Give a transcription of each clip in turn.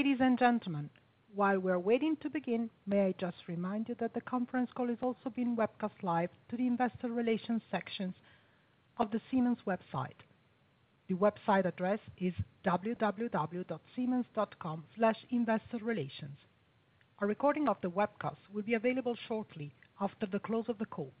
Ladies and gentlemen, while we're waiting to begin, may I just remind you that the conference call is also being webcast live to the investor relations sections of the Siemens website. The website address is www.siemens.com/investorrelations. A recording of the webcast will be available shortly after the close of the call.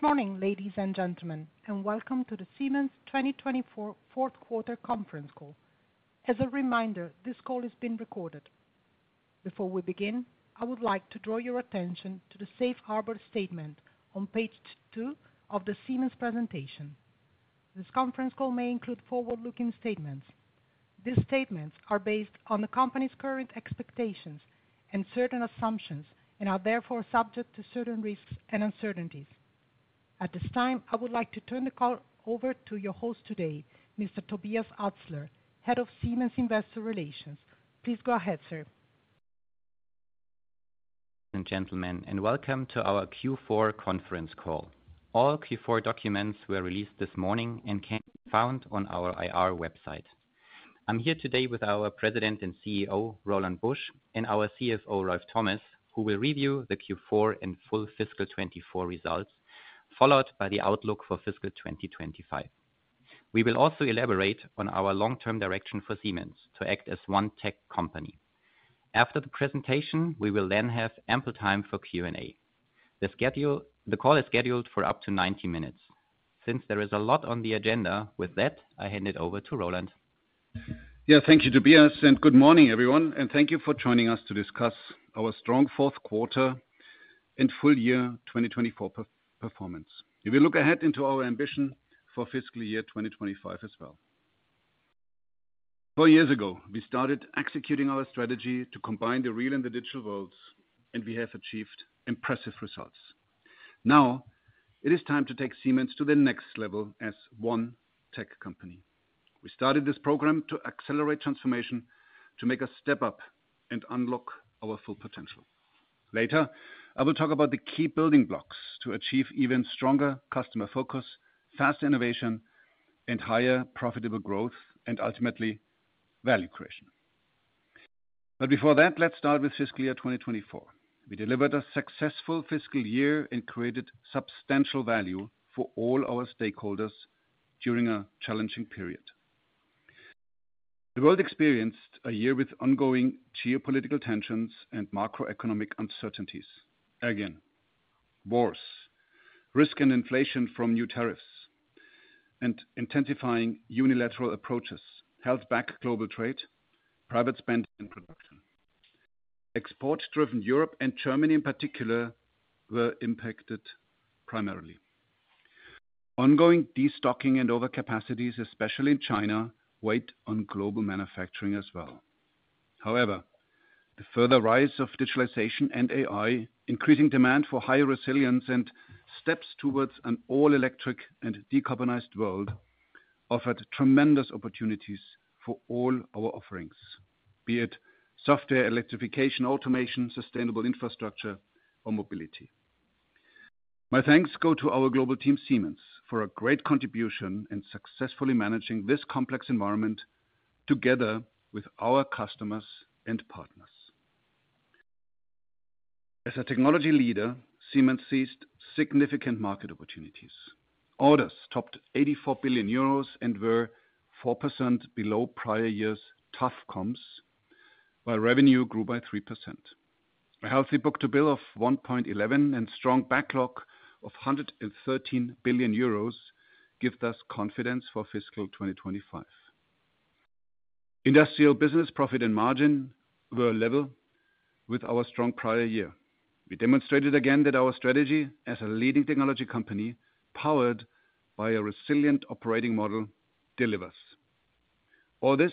Good morning, ladies and gentlemen, and welcome to the Siemens 2024 fourth quarter conference call. As a reminder, this call is being recorded. Before we begin, I would like to draw your attention to the Safe Harbor statement on page two of the Siemens presentation. This conference call may include forward-looking statements. These statements are based on the company's current expectations and certain assumptions and are therefore subject to certain risks and uncertainties. At this time, I would like to turn the call over to your host today, Mr. Tobias Atzler, Head of Siemens Investor Relations. Please go ahead, sir. Gentlemen, and welcome to our Q4 conference call. All Q4 documents were released this morning and can be found on our IR website. I'm here today with our President and CEO, Roland Busch, and our CFO, Ralf Thomas, who will review the Q4 and full fiscal 2024 results, followed by the outlook for fiscal 2025. We will also elaborate on our long-term direction for Siemens to act as one tech company. After the presentation, we will then have ample time for Q&A. The call is scheduled for up to 90 minutes. Since there is a lot on the agenda with that, I hand it over to Roland. Yeah, thank you, Tobias, and good morning, everyone, and thank you for joining us to discuss our strong fourth quarter and full year 2024 performance. If we look ahead into our ambition for fiscal year 2025 as well. Four years ago, we started executing our strategy to combine the real and the digital worlds, and we have achieved impressive results. Now, it is time to take Siemens to the next level as one tech company. We started this program to accelerate transformation, to make a step up and unlock our full potential. Later, I will talk about the key building blocks to achieve even stronger customer focus, faster innovation, and higher profitable growth, and ultimately value creation. But before that, let's start with fiscal year 2024. We delivered a successful fiscal year and created substantial value for all our stakeholders during a challenging period. The world experienced a year with ongoing geopolitical tensions and macroeconomic uncertainties. Again, wars, risk, and inflation from new tariffs, and intensifying unilateral approaches held back global trade, private spending, and production. Export-driven Europe, and Germany in particular, were impacted primarily. Ongoing destocking and overcapacities, especially in China, weighed on global manufacturing as well. However, the further rise of digitalization and AI, increasing demand for higher resilience, and steps towards an all-electric and decarbonized world offered tremendous opportunities for all our offerings, be it software Electrification, automation, sustainable infrastructure, or mobility. My thanks go to our global team, Siemens, for a great contribution and successfully managing this complex environment together with our customers and partners. As a technology leader, Siemens seized significant market opportunities. Orders topped 84 billion euros and were 4% below prior year's tough comps, while revenue grew by 3%. A healthy book-to-bill of 1.11 and strong backlog of 113 billion euros give us confidence for fiscal 2025. Industrial business profit and margin were level with our strong prior year. We demonstrated again that our strategy as a leading technology company, powered by a resilient operating model, delivers. All this,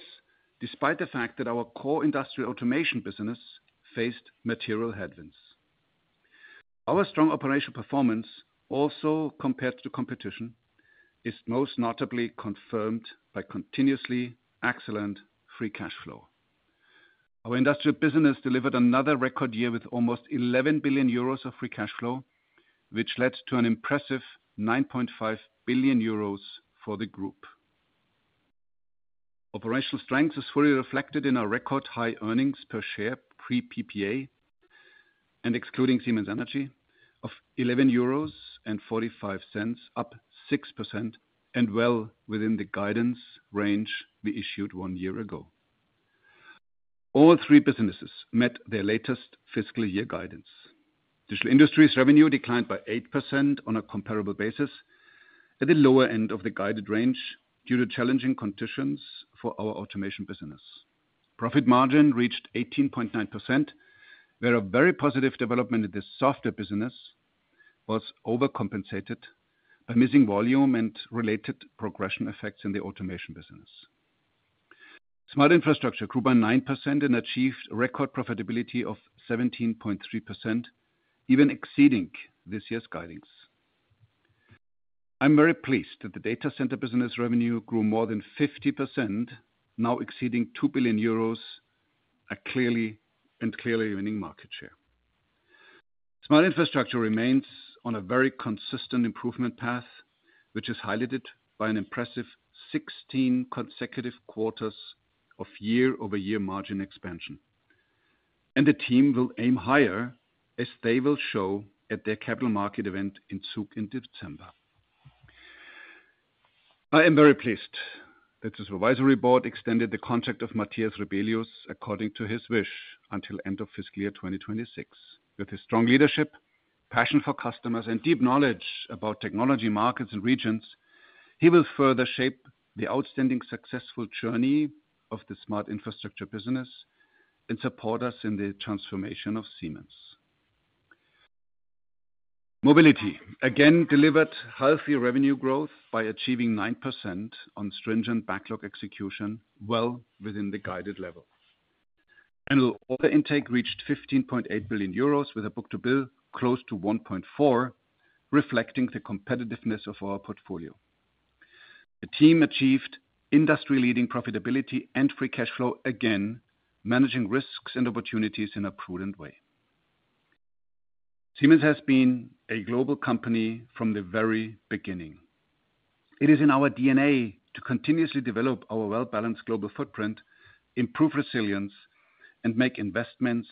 despite the fact that our core industrial automation business faced material headwinds. Our strong operational performance, also compared to competition, is most notably confirmed by continuously excellent free cash flow. Our industrial business delivered another record year with almost 11 billion euros of free cash flow, which led to an impressive 9.5 billion euros for the group. Operational strength is fully reflected in our record high earnings per share pre-PPA, and excluding Siemens Energy, of 11.45 euros, up 6% and well within the guidance range we issued one year ago. All three businesses met their latest fiscal year guidance. Digital Industries' revenue declined by 8% on a comparable basis, at the lower end of the guided range due to challenging conditions for our automation business. Profit margin reached 18.9%, where a very positive development in the software business was overcompensated by missing volume and related progression effects in the automation business. Smart Infrastructure grew by 9% and achieved record profitability of 17.3%, even exceeding this year's guidance. I'm very pleased that the Data Center business revenue grew more than 50%, now exceeding 2 billion euros, clearly winning market share. Smart Infrastructure remains on a very consistent improvement path, which is highlighted by an impressive 16 consecutive quarters of year-over-year margin expansion. And the team will aim higher, as they will show at their capital market event in Zug in December. I am very pleased that the supervisory board extended the contract of Matthias Rebellius according to his wish until the end of fiscal year 2026. With his strong leadership, passion for customers, and deep knowledge about technology markets and regions, he will further shape the outstanding successful journey of the Smart Infrastructure business and support us in the transformation of Siemens. Mobility again delivered healthy revenue growth by achieving 9% on stringent backlog execution, well within the guided level. Annual order intake reached 15.8 billion euros, with a book-to-bill close to 1.4, reflecting the competitiveness of our portfolio. The team achieved industry-leading profitability and free cash flow again, managing risks and opportunities in a prudent way. Siemens has been a global company from the very beginning. It is in our DNA to continuously develop our well-balanced global footprint, improve resilience, and make investments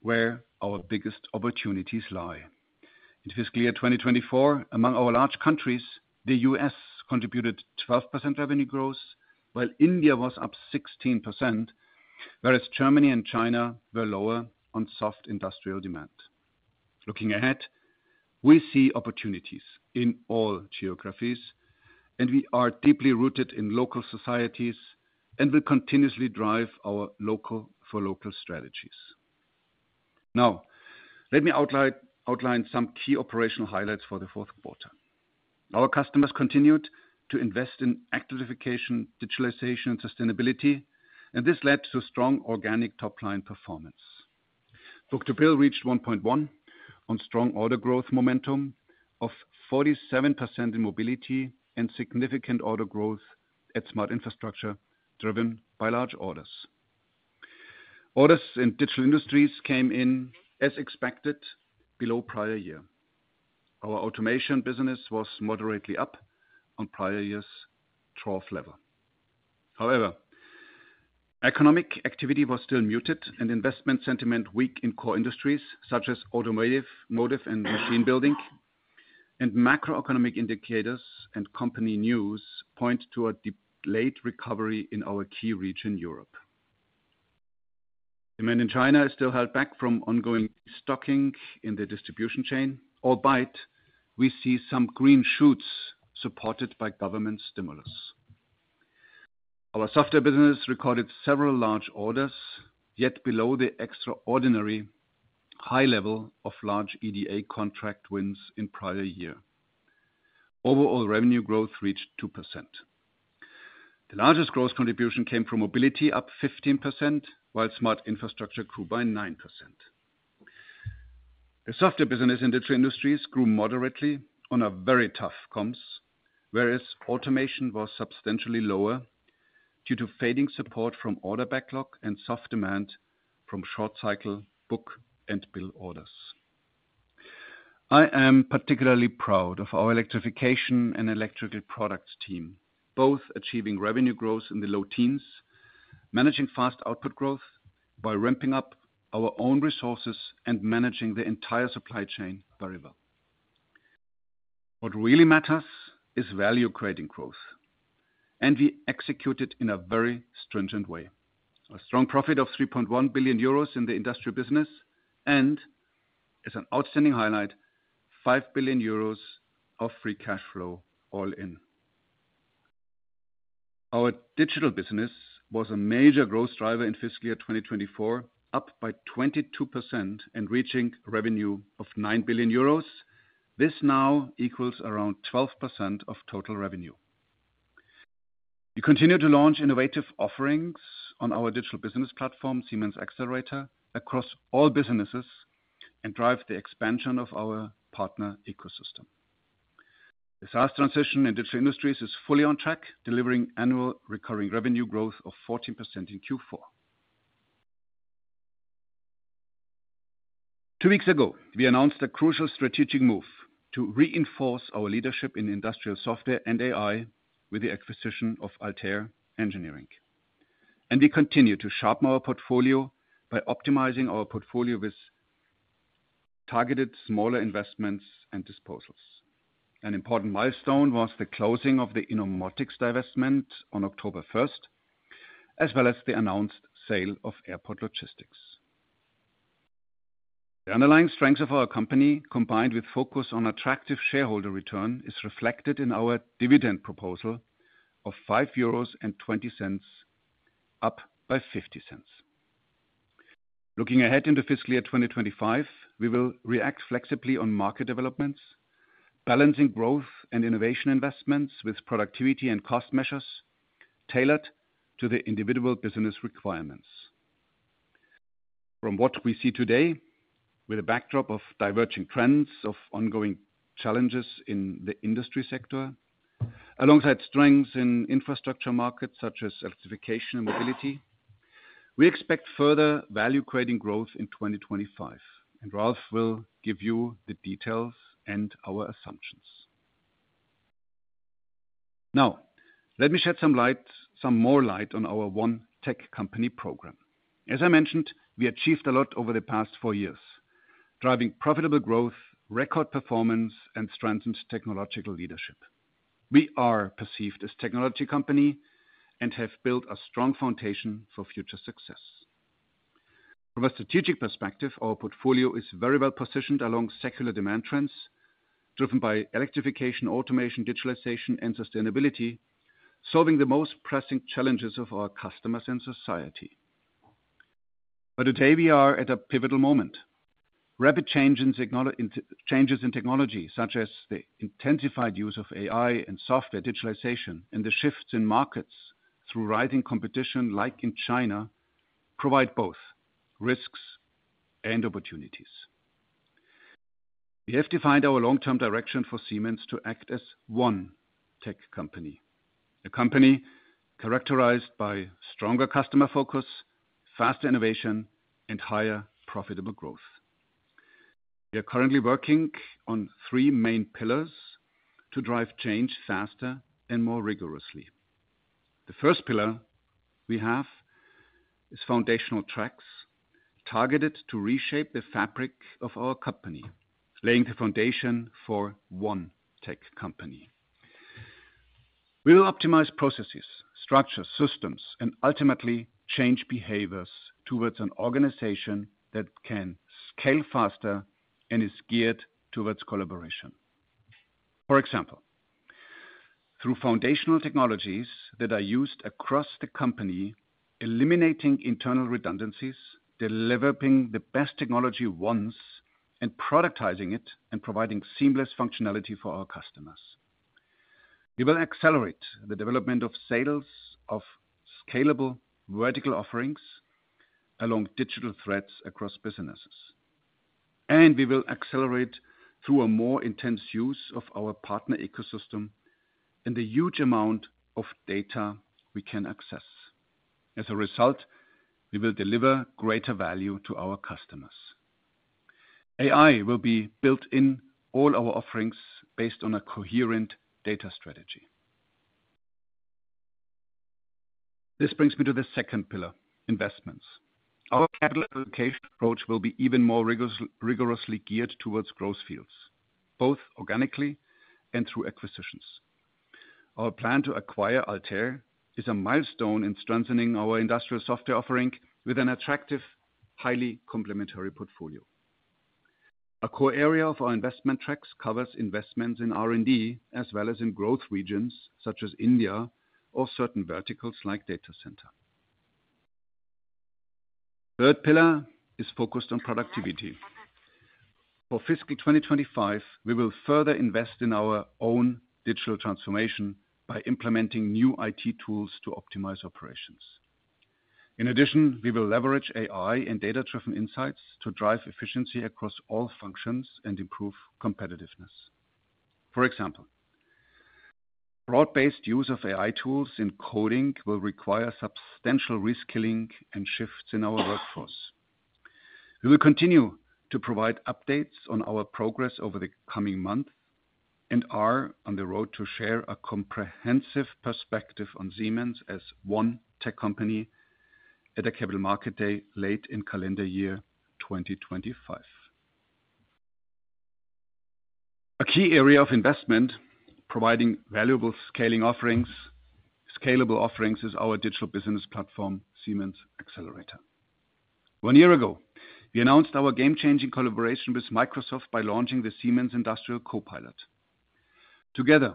where our biggest opportunities lie. In fiscal year 2024, among our large countries, the U.S. contributed 12% revenue growth, while India was up 16%, whereas Germany and China were lower on soft industrial demand. Looking ahead, we see opportunities in all geographies, and we are deeply rooted in local societies and will continuously drive our local-for-local strategies. Now, let me outline some key operational highlights for the fourth quarter. Our customers continued to invest in Electrification, digitalization, and sustainability, and this led to strong organic top-line performance. Book-to-bill reached 1.1 on strong order growth momentum of 47% in Mobility and significant order growth at Smart Infrastructure driven by large orders. Orders in Digital Industries came in, as expected, below prior year. Our automation business was moderately up on prior year's trough level. However, economic activity was still muted, and investment sentiment weak in core industries such as automotive, motors, and machine building. Macroeconomic indicators and company news point to a delayed recovery in our key region, Europe. Demand in China is still held back from ongoing destocking in the distribution chain, albeit we see some green shoots supported by government stimulus. Our software business recorded several large orders, yet below the extraordinary high level of large EDA contract wins in prior year. Overall revenue growth reached 2%. The largest growth contribution came from mobility, up 15%, while Smart Infrastructure grew by 9%. The software business and Digital Industries grew moderately on very tough comps, whereas automation was substantially lower due to fading support from order backlog and soft demand from short-cycle book-to-bill orders. I am particularly proud of our electrification and Electrical Products team, both achieving revenue growth in the low teens, managing fast output growth by ramping up our own resources and managing the entire supply chain very well. What really matters is value-creating growth, and we execute it in a very stringent way. A strong profit of 3.1 billion euros in the industrial business, and as an outstanding highlight, 5 billion euros of free cash flow all in. Our digital business was a major growth driver in fiscal year 2024, up by 22% and reaching revenue of 9 billion euros. This now equals around 12% of total revenue. We continue to launch innovative offerings on our digital business platform, Siemens Xcelerator, across all businesses and drive the expansion of our partner ecosystem. The SaaS transition in Digital Industries is fully on track, delivering annual recurring revenue growth of 14% in Q4. Two weeks ago, we announced a crucial strategic move to reinforce our leadership in industrial software and AI with the acquisition of Altair Engineering. We continue to sharpen our portfolio by optimizing our portfolio with targeted smaller investments and disposals. An important milestone was the closing of the Innomotics divestment on October 1st, as well as the announced sale of Airport Logistics. The underlying strength of our company, combined with focus on attractive shareholder return, is reflected in our dividend proposal of 5.20 euros, up by 0.50. Looking ahead into fiscal year 2025, we will react flexibly on market developments, balancing growth and innovation investments with productivity and cost measures tailored to the individual business requirements. From what we see today, with a backdrop of diverging trends of ongoing challenges in the industry sector, alongside strengths in infrastructure markets such as electrification and mobility, we expect further value-creating growth in 2025. And Ralf will give you the details and our assumptions. Now, let me shed some light, some more light on our One Tech Company program. As I mentioned, we achieved a lot over the past four years, driving profitable growth, record performance, and strengthened technological leadership. We are perceived as a technology company and have built a strong foundation for future success. From a strategic perspective, our portfolio is very well positioned along secular demand trends driven by electrification, automation, digitalization, and sustainability, solving the most pressing challenges of our customers and society. But today, we are at a pivotal moment. Rapid changes in technology, such as the intensified use of AI and software digitalization, and the shifts in markets through rising competition, like in China, provide both risks and opportunities. We have defined our long-term direction for Siemens to act as one tech company, a company characterized by stronger customer focus, faster innovation, and higher profitable growth. We are currently working on three main pillars to drive change faster and more rigorously. The first pillar we have is foundational tracks targeted to reshape the fabric of our company, laying the foundation for one tech company. We will optimize processes, structures, systems, and ultimately change behaviors towards an organization that can scale faster and is geared towards collaboration. For example, through foundational technologies that are used across the company, eliminating internal redundancies, developing the best technology once, and productizing it and providing seamless functionality for our customers. We will accelerate the development of sales of scalable vertical offerings along digital threads across businesses. And we will accelerate through a more intense use of our partner ecosystem and the huge amount of data we can access. As a result, we will deliver greater value to our customers. AI will be built in all our offerings based on a coherent data strategy. This brings me to the second pillar, investments. Our capital allocation approach will be even more rigorously geared towards growth fields, both organically and through acquisitions. Our plan to acquire Altair is a milestone in strengthening our industrial software offering with an attractive, highly complementary portfolio. A core area of our investment tracks covers investments in R&D as well as in growth regions such as India or certain verticals like data center. Third pillar is focused on productivity. For fiscal 2025, we will further invest in our own digital transformation by implementing new IT tools to optimize operations. In addition, we will leverage AI and data-driven insights to drive efficiency across all functions and improve competitiveness. For example, broad-based use of AI tools in coding will require substantial reskilling and shifts in our workforce. We will continue to provide updates on our progress over the coming month and are on the road to share a comprehensive perspective on Siemens as one tech company at a capital market day late in calendar year 2025. A key area of investment providing valuable scaling offerings, scalable offerings, is our digital business platform, Siemens Xcelerator. One year ago, we announced our game-changing collaboration with Microsoft by launching the Siemens Industrial Copilot. Together,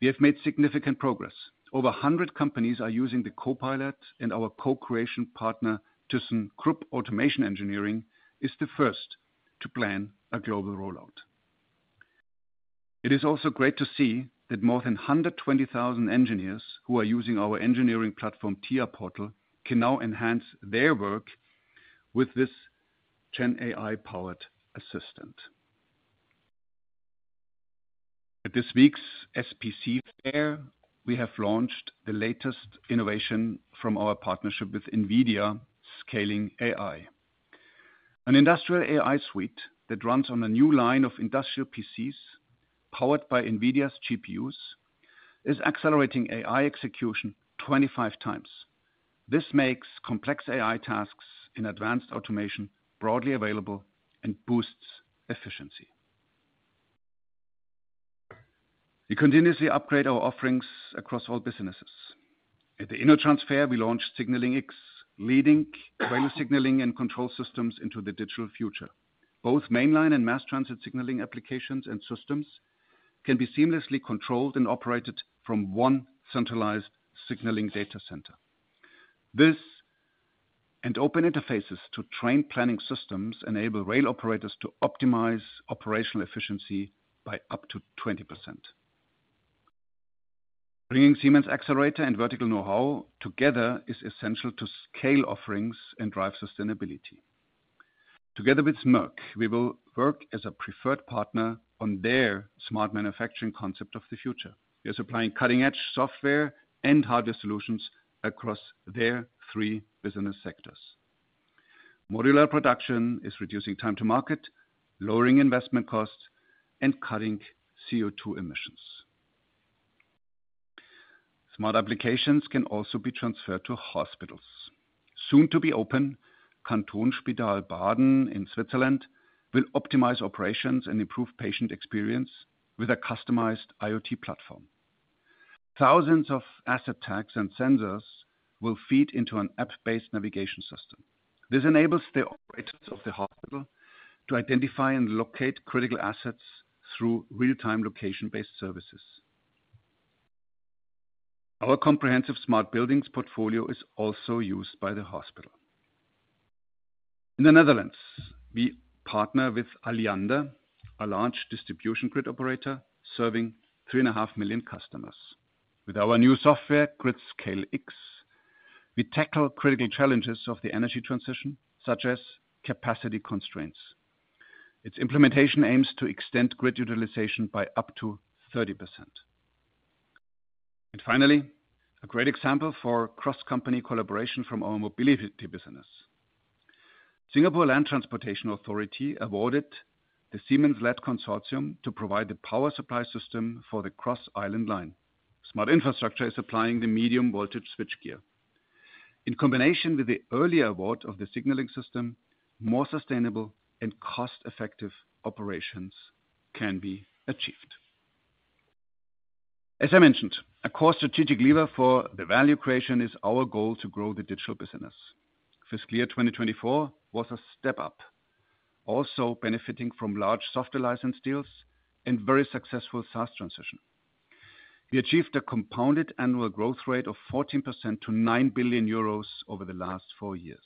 we have made significant progress. Over 100 companies are using the Copilot, and our co-creation partner, thyssenkrupp Automation Engineering, is the first to plan a global rollout. It is also great to see that more than 120,000 engineers who are using our engineering platform, TIA Portal, can now enhance their work with this GenAI-powered assistant. At this week's SPS Fair, we have launched the latest innovation from our partnership with NVIDIA, scaling AI. An industrial AI suite that runs on a new line of industrial PCs powered by NVIDIA's GPUs is accelerating AI execution 25 times. This makes complex AI tasks in advanced automation broadly available and boosts efficiency. We continuously upgrade our offerings across all businesses. At the InnoTrans Fair, we launched Signaling X, leading-edge signaling and control systems into the digital future. Both mainline and mass transit signaling applications and systems can be seamlessly controlled and operated from one centralized signaling data center. This and open interfaces to train planning systems enable rail operators to optimize operational efficiency by up to 20%. Bringing Siemens Xcelerator and vertical know-how together is essential to scale offerings and drive sustainability. Together with Merck, we will work as a preferred partner on their smart manufacturing concept of the future. We are supplying cutting-edge software and hardware solutions across their three business sectors. Modular production is reducing time to market, lowering investment costs, and cutting CO2 emissions. Smart applications can also be transferred to hospitals. Soon to be open, Kantonsspital Baden in Switzerland will optimize operations and improve patient experience with a customized IoT platform. Thousands of asset tags and sensors will feed into an app-based navigation system. This enables the operators of the hospital to identify and locate critical assets through real-time location-based services. Our comprehensive smart buildings portfolio is also used by the hospital. In the Netherlands, we partner with Alliander, a large distribution grid operator serving 3.5 million customers. With our new software, Gridscale X, we tackle critical challenges of the energy transition, such as capacity constraints. Its implementation aims to extend grid utilization by up to 30%. Finally, a great example for cross-company collaboration from our mobility business. Singapore Land Transportation Authority awarded the Siemens-led consortium to provide the power supply system for the Cross Island Line. Smart Infrastructure is applying the medium voltage switchgear. In combination with the earlier award of the signaling system, more sustainable and cost-effective operations can be achieved. As I mentioned, a core strategic lever for the value creation is our goal to grow the digital business. Fiscal year 2024 was a step up, also benefiting from large software license deals and very successful SaaS transition. We achieved a compounded annual growth rate of 14% to 9 billion euros over the last four years.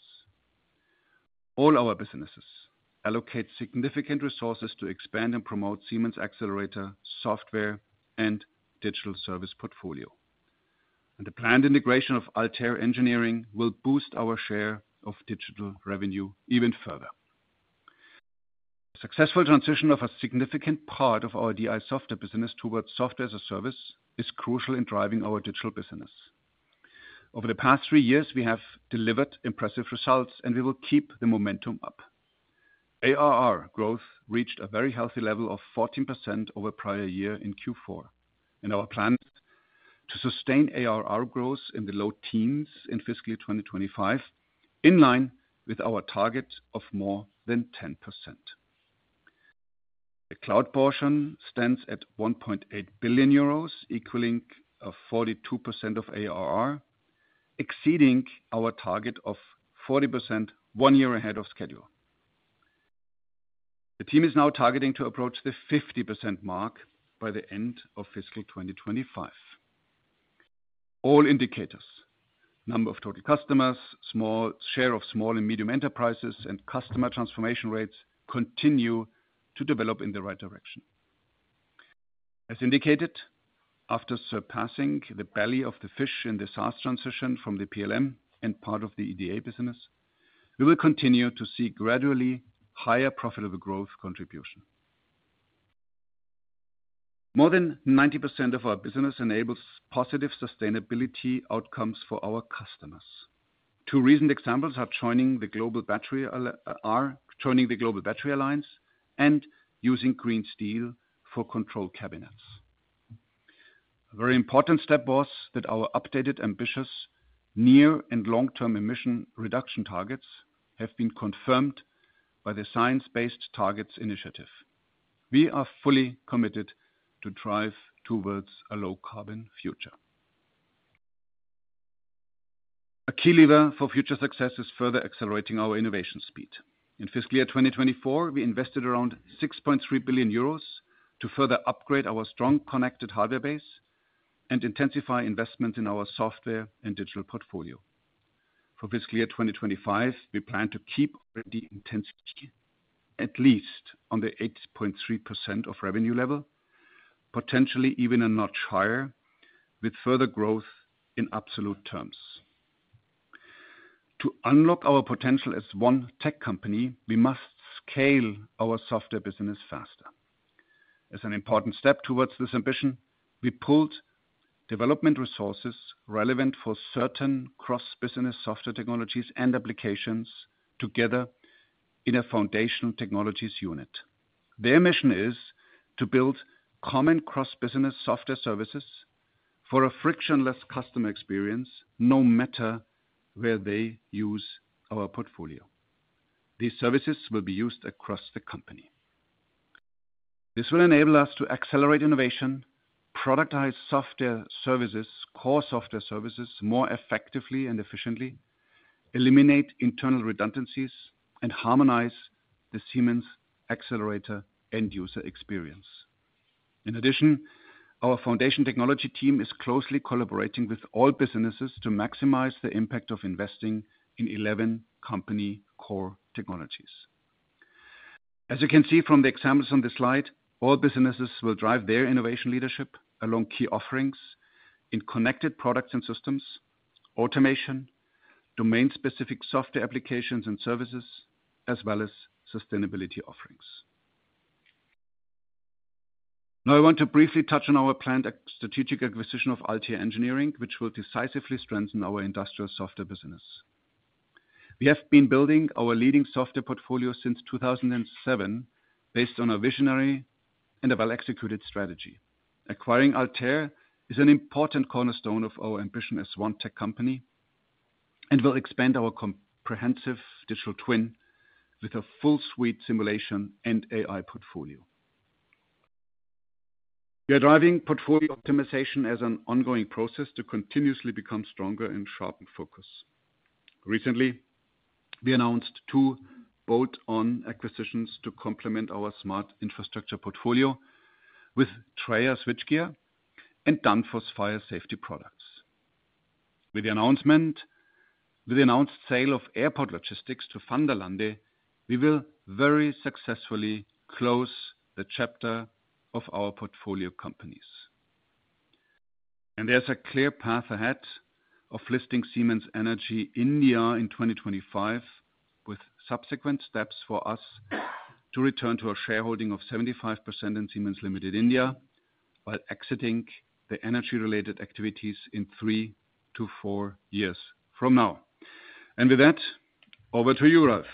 All our businesses allocate significant resources to expand and promote Siemens Xcelerator software and digital service portfolio, and the planned integration of Altair Engineering will boost our share of digital revenue even further. The successful transition of a significant part of our DI software business towards software as a service is crucial in driving our digital business. Over the past three years, we have delivered impressive results, and we will keep the momentum up. ARR growth reached a very healthy level of 14% over the prior year in Q4, and our plan to sustain ARR growth in the low teens in fiscal year 2025, in line with our target of more than 10%. The cloud portion stands at 1.8 billion euros, equaling 42% of ARR, exceeding our target of 40% one year ahead of schedule. The team is now targeting to approach the 50% mark by the end of fiscal 2025. All indicators, number of total customers, small share of small and medium enterprises, and customer transformation rates continue to develop in the right direction. As indicated, after surpassing the belly of the fish in the SaaS transition from the PLM and part of the EDA business, we will continue to see gradually higher profitable growth contribution. More than 90% of our business enables positive sustainability outcomes for our customers. Two recent examples are joining the Global Battery Alliance and using green steel for control cabinets. A very important step was that our updated, ambitious, near and long-term emission reduction targets have been confirmed by the Science Based Targets initiative. We are fully committed to drive towards a low-carbon future. A key lever for future success is further accelerating our innovation speed. In fiscal year 2024, we invested around 6.3 billion euros to further upgrade our strong connected hardware base and intensify investments in our software and digital portfolio. For fiscal year 2025, we plan to keep the intensity at least on the 8.3% of revenue level, potentially even a notch higher, with further growth in absolute terms. To unlock our potential as one tech company, we must scale our software business faster. As an important step towards this ambition, we pulled development resources relevant for certain cross-business software technologies and applications together in a foundational technologies unit. Their mission is to build common cross-business software services for a frictionless customer experience no matter where they use our portfolio. These services will be used across the company. This will enable us to accelerate innovation, productize software services, core software services more effectively and efficiently, eliminate internal redundancies, and harmonize the Siemens Xcelerator end-user experience. In addition, our foundation technology team is closely collaborating with all businesses to maximize the impact of investing in 11 company core technologies. As you can see from the examples on the slide, all businesses will drive their innovation leadership along key offerings in connected products and systems, automation, domain-specific software applications and services, as well as sustainability offerings. Now, I want to briefly touch on our planned strategic acquisition of Altair Engineering, which will decisively strengthen our industrial software business. We have been building our leading software portfolio since 2007 based on a visionary and a well-executed strategy. Acquiring Altair is an important cornerstone of our ambition as one tech company and will expand our comprehensive digital twin with a full-suite simulation and AI portfolio. We are driving portfolio optimization as an ongoing process to continuously become stronger and sharpen focus. Recently, we announced two bolt-on acquisitions to complement our Smart Infrastructure portfolio with Trayer Switchgear and Danfoss Fire Safety products. With the announced sale of Airport Logistics to Vanderlande, we will very successfully close the chapter of our portfolio companies. And there's a clear path ahead of listing Siemens Energy India in 2025, with subsequent steps for us to return to a shareholding of 75% in Siemens Limited India while exiting the energy-related activities in three-to-four years from now. And with that, over to you, Ralf.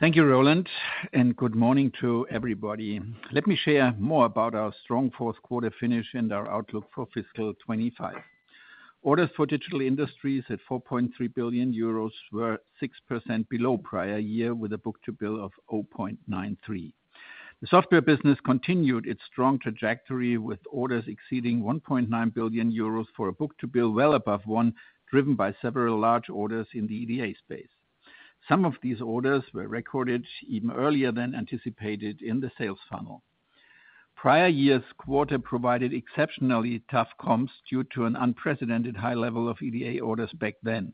Thank you, Roland, and good morning to everybody. Let me share more about our strong fourth-quarter finish and our outlook for fiscal 25. Orders for Digital Industries at 4.3 billion euros were 6% below prior year with a book-to-bill of 0.93. The software business continued its strong trajectory with orders exceeding 1.9 billion euros for a book-to-bill well above one, driven by several large orders in the EDA space. Some of these orders were recorded even earlier than anticipated in the sales funnel. Prior year's quarter provided exceptionally tough comps due to an unprecedented high level of EDA orders back then.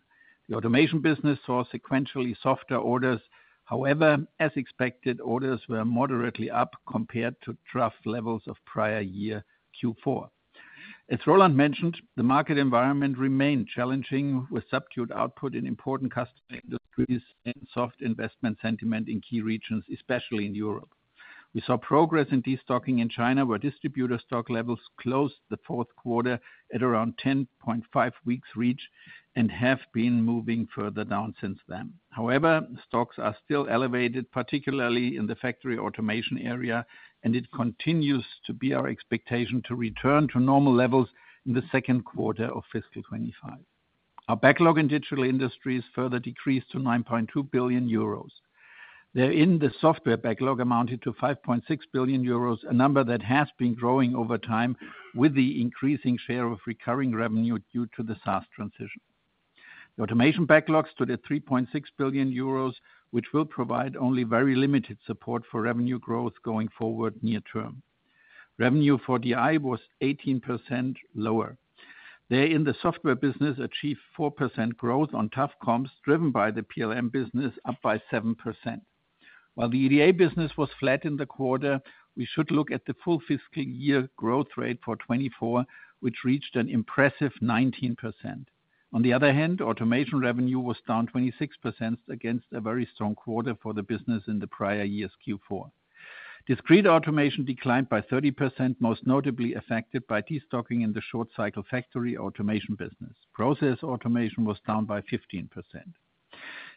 The automation business saw sequentially softer orders. However, as expected, orders were moderately up compared to tough levels of prior year Q4. As Roland mentioned, the market environment remained challenging with subdued output in important customer industries and soft investment sentiment in key regions, especially in Europe. We saw progress in destocking in China, where distributor stock levels closed the fourth quarter at around 10.5 weeks reach and have been moving further down since then. However, stocks are still elevated, particularly in the Factory Automation area, and it continues to be our expectation to return to normal levels in the second quarter of fiscal 2025. Our backlog in Digital Industries further decreased to 9.2 billion euros. Therein, the software backlog amounted to 5.6 billion euros, a number that has been growing over time with the increasing share of recurring revenue due to the SaaS transition. The automation backlog stood at 3.6 billion euros, which will provide only very limited support for revenue growth going forward near term. Revenue for DI was 18% lower. Therein, the software business achieved 4% growth on tough comps driven by the PLM business, up by 7%. While the EDA business was flat in the quarter, we should look at the full fiscal year growth rate for 2024, which reached an impressive 19%. On the other hand, automation revenue was down 26% against a very strong quarter for the business in the prior year's Q4. Discrete automation declined by 30%, most notably affected by destocking in the short-cycle factory automation business. Process automation was down by 15%.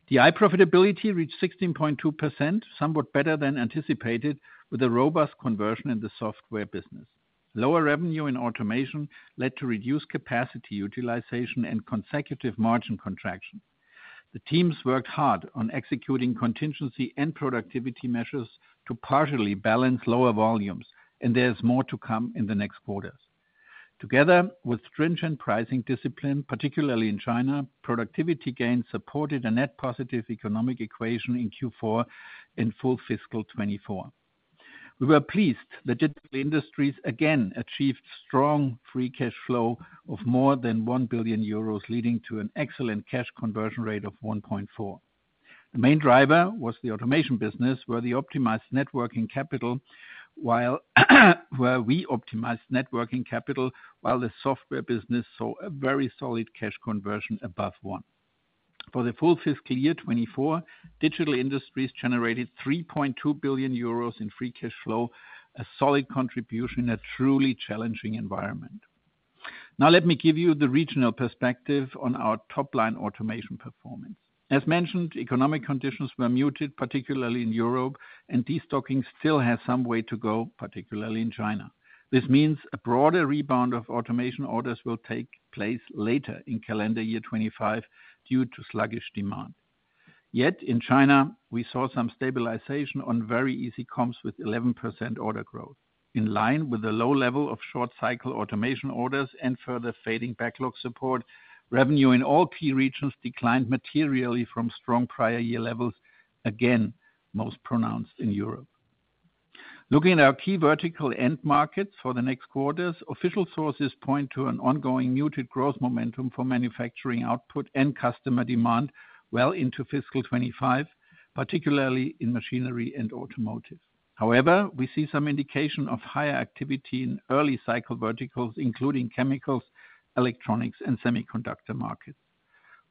DI profitability reached 16.2%, somewhat better than anticipated, with a robust conversion in the software business. Lower revenue in automation led to reduced capacity utilization and consecutive margin contraction. The teams worked hard on executing contingency and productivity measures to partially balance lower volumes, and there is more to come in the next quarters. Together with stringent pricing discipline, particularly in China, productivity gains supported a net positive economic equation in Q4 and full fiscal 2024. We were pleased that Digital Industries again achieved strong free cash flow of more than 1 billion euros, leading to an excellent cash conversion rate of 1.4. The main driver was the automation business, where we optimized net working capital, while the software business saw a very solid cash conversion above one. For the full fiscal year 2024, Digital Industries generated 3.2 billion euros in free cash flow, a solid contribution in a truly challenging environment. Now, let me give you the regional perspective on our top-line automation performance. As mentioned, economic conditions were muted, particularly in Europe, and destocking still has some way to go, particularly in China. This means a broader rebound of automation orders will take place later in calendar year 2025 due to sluggish demand. Yet, in China, we saw some stabilization on very easy comps with 11% order growth. In line with the low level of short-cycle automation orders and further fading backlog support, revenue in all key regions declined materially from strong prior year levels, again most pronounced in Europe. Looking at our key vertical end markets for the next quarters, official sources point to an ongoing muted growth momentum for manufacturing output and customer demand well into fiscal 2025, particularly in machinery and automotive. However, we see some indication of higher activity in early-cycle verticals, including chemicals, electronics, and semiconductor markets.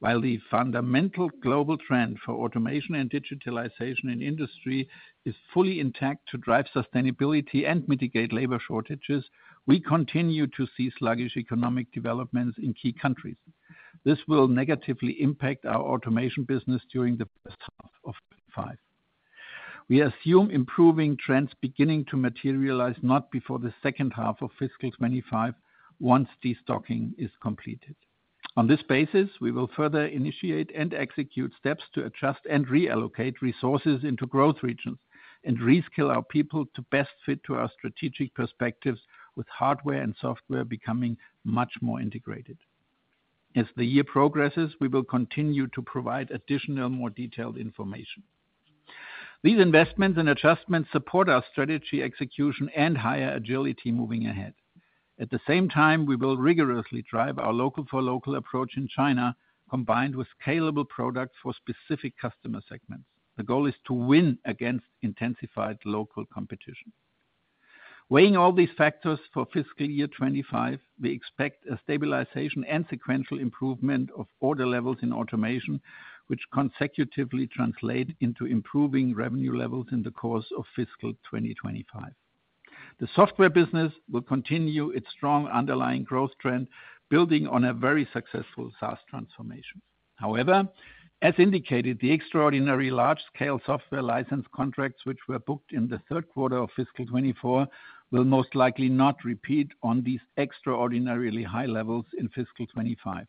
While the fundamental global trend for automation and digitalization in industry is fully intact to drive sustainability and mitigate labor shortages, we continue to see sluggish economic developments in key countries. This will negatively impact our automation business during the first half of 2025. We assume improving trends beginning to materialize not before the second half of fiscal 2025, once destocking is completed. On this basis, we will further initiate and execute steps to adjust and reallocate resources into growth regions and reskill our people to best fit to our strategic perspectives, with hardware and software becoming much more integrated. As the year progresses, we will continue to provide additional more detailed information. These investments and adjustments support our strategy execution and higher agility moving ahead. At the same time, we will rigorously drive our local-for-local approach in China, combined with scalable products for specific customer segments. The goal is to win against intensified local competition. Weighing all these factors for fiscal year 25, we expect a stabilization and sequential improvement of order levels in automation, which consecutively translate into improving revenue levels in the course of fiscal 2025. The software business will continue its strong underlying growth trend, building on a very successful SaaS transformation. However, as indicated, the extraordinary large-scale software license contracts, which were booked in the third quarter of fiscal 2024, will most likely not repeat on these extraordinarily high levels in fiscal 2025.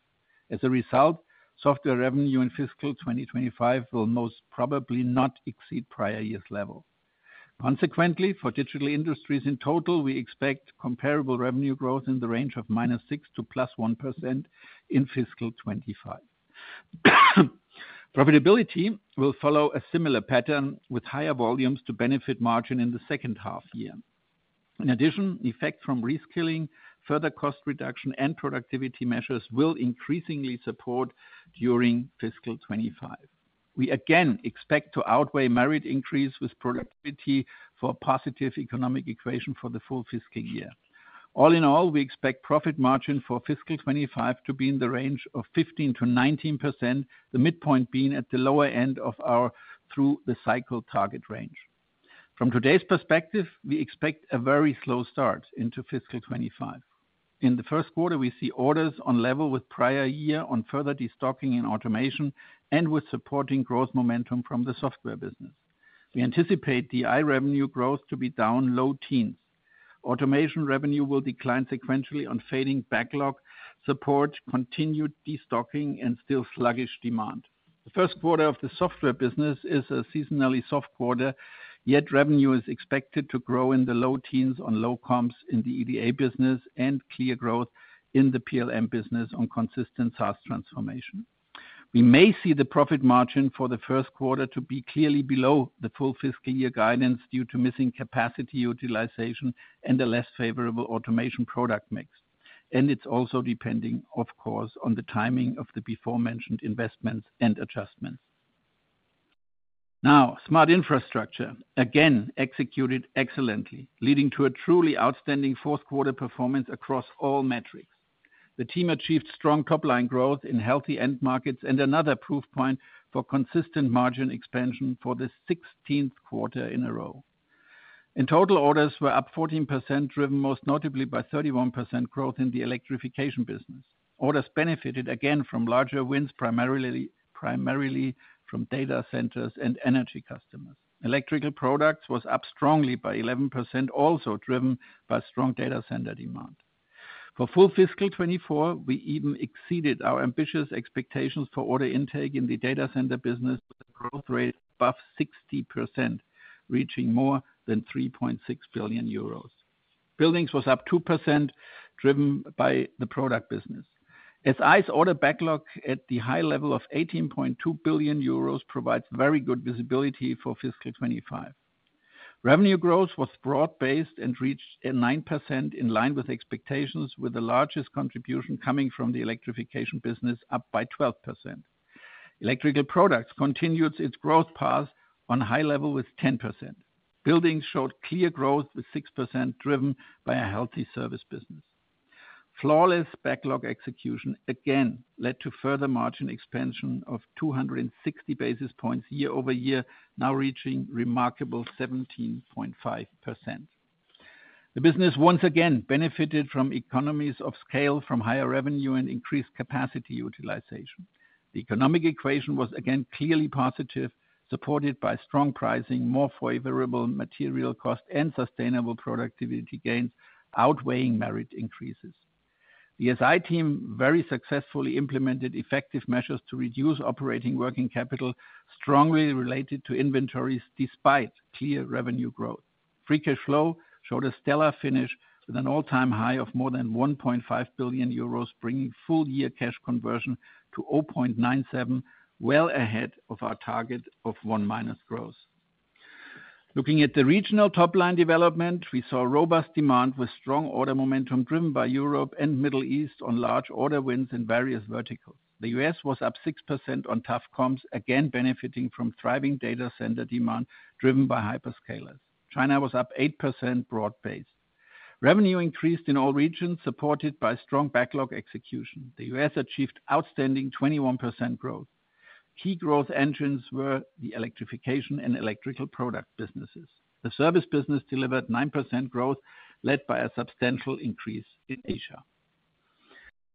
As a result, software revenue in fiscal 2025 will most probably not exceed prior year's level. Consequently, for Digital Industries in total, we expect comparable revenue growth in the range of -6% to +1% in fiscal 2025. Profitability will follow a similar pattern with higher volumes to benefit margin in the second half year. In addition, effects from reskilling, further cost reduction, and productivity measures will increasingly support during fiscal 2025. We again expect to outweigh margin increase with productivity for a positive economic equation for the full fiscal year. All in all, we expect profit margin for fiscal 2025 to be in the range of 15%-19%, the midpoint being at the lower end of our through-the-cycle target range. From today's perspective, we expect a very slow start into fiscal 2025. In the first quarter, we see orders on level with prior year on further destocking and automation and with supporting growth momentum from the software business. We anticipate DI revenue growth to be down low teens. Automation revenue will decline sequentially on fading backlog support, continued destocking, and still sluggish demand. The first quarter of the software business is a seasonally soft quarter, yet revenue is expected to grow in the low teens on low comps in the EDA business and clear growth in the PLM business on consistent SaaS transformation. We may see the profit margin for the first quarter to be clearly below the full fiscal year guidance due to missing capacity utilization and a less favorable automation product mix, and it's also depending, of course, on the timing of the before-mentioned investments and adjustments. Now, Smart Infrastructure, again executed excellently, leading to a truly outstanding fourth-quarter performance across all metrics. The team achieved strong top-line growth in healthy end markets and another proof point for consistent margin expansion for the 16th quarter in a row. In total, orders were up 14%, driven most notably by 31% growth in the Electrification business. Orders benefited again from larger wins, primarily from Data Centers and energy customers. Electrical products were up strongly by 11%, also driven by strong Data Center demand. For full fiscal 2024, we even exceeded our ambitious expectations for order intake in the data center business with a growth rate above 60%, reaching more than 3.6 billion euros. Buildings were up 2%, driven by the product business. SI's order backlog at the high level of 18.2 billion euros provides very good visibility for fiscal 2025. Revenue growth was broad-based and reached 9%, in line with expectations, with the largest contribution coming from the electrification business, up by 12%. Electrical products continued its growth path on high level with 10%. Buildings showed clear growth with 6%, driven by a healthy service business. Flawless backlog execution again led to further margin expansion of 260 basis points year over year, now reaching remarkable 17.5%. The business once again benefited from economies of scale, from higher revenue and increased capacity utilization. The economic equation was again clearly positive, supported by strong pricing, more favorable material cost, and sustainable productivity gains outweighing wage increases. The SI team very successfully implemented effective measures to reduce operating working capital, strongly related to inventories despite clear revenue growth. Free cash flow showed a stellar finish with an all-time high of more than 1.5 billion euros, bringing full-year cash conversion to 0.97, well ahead of our target of one minus growth. Looking at the regional top-line development, we saw robust demand with strong order momentum driven by Europe and Middle East on large order wins in various verticals. The U.S. was up 6% on tough comps, again benefiting from thriving data center demand driven by hyperscalers. China was up 8%, broad-based. Revenue increased in all regions, supported by strong backlog execution. The U.S. achieved outstanding 21% growth. Key growth engines were the electrification and electrical product businesses. The service business delivered 9% growth, led by a substantial increase in Asia.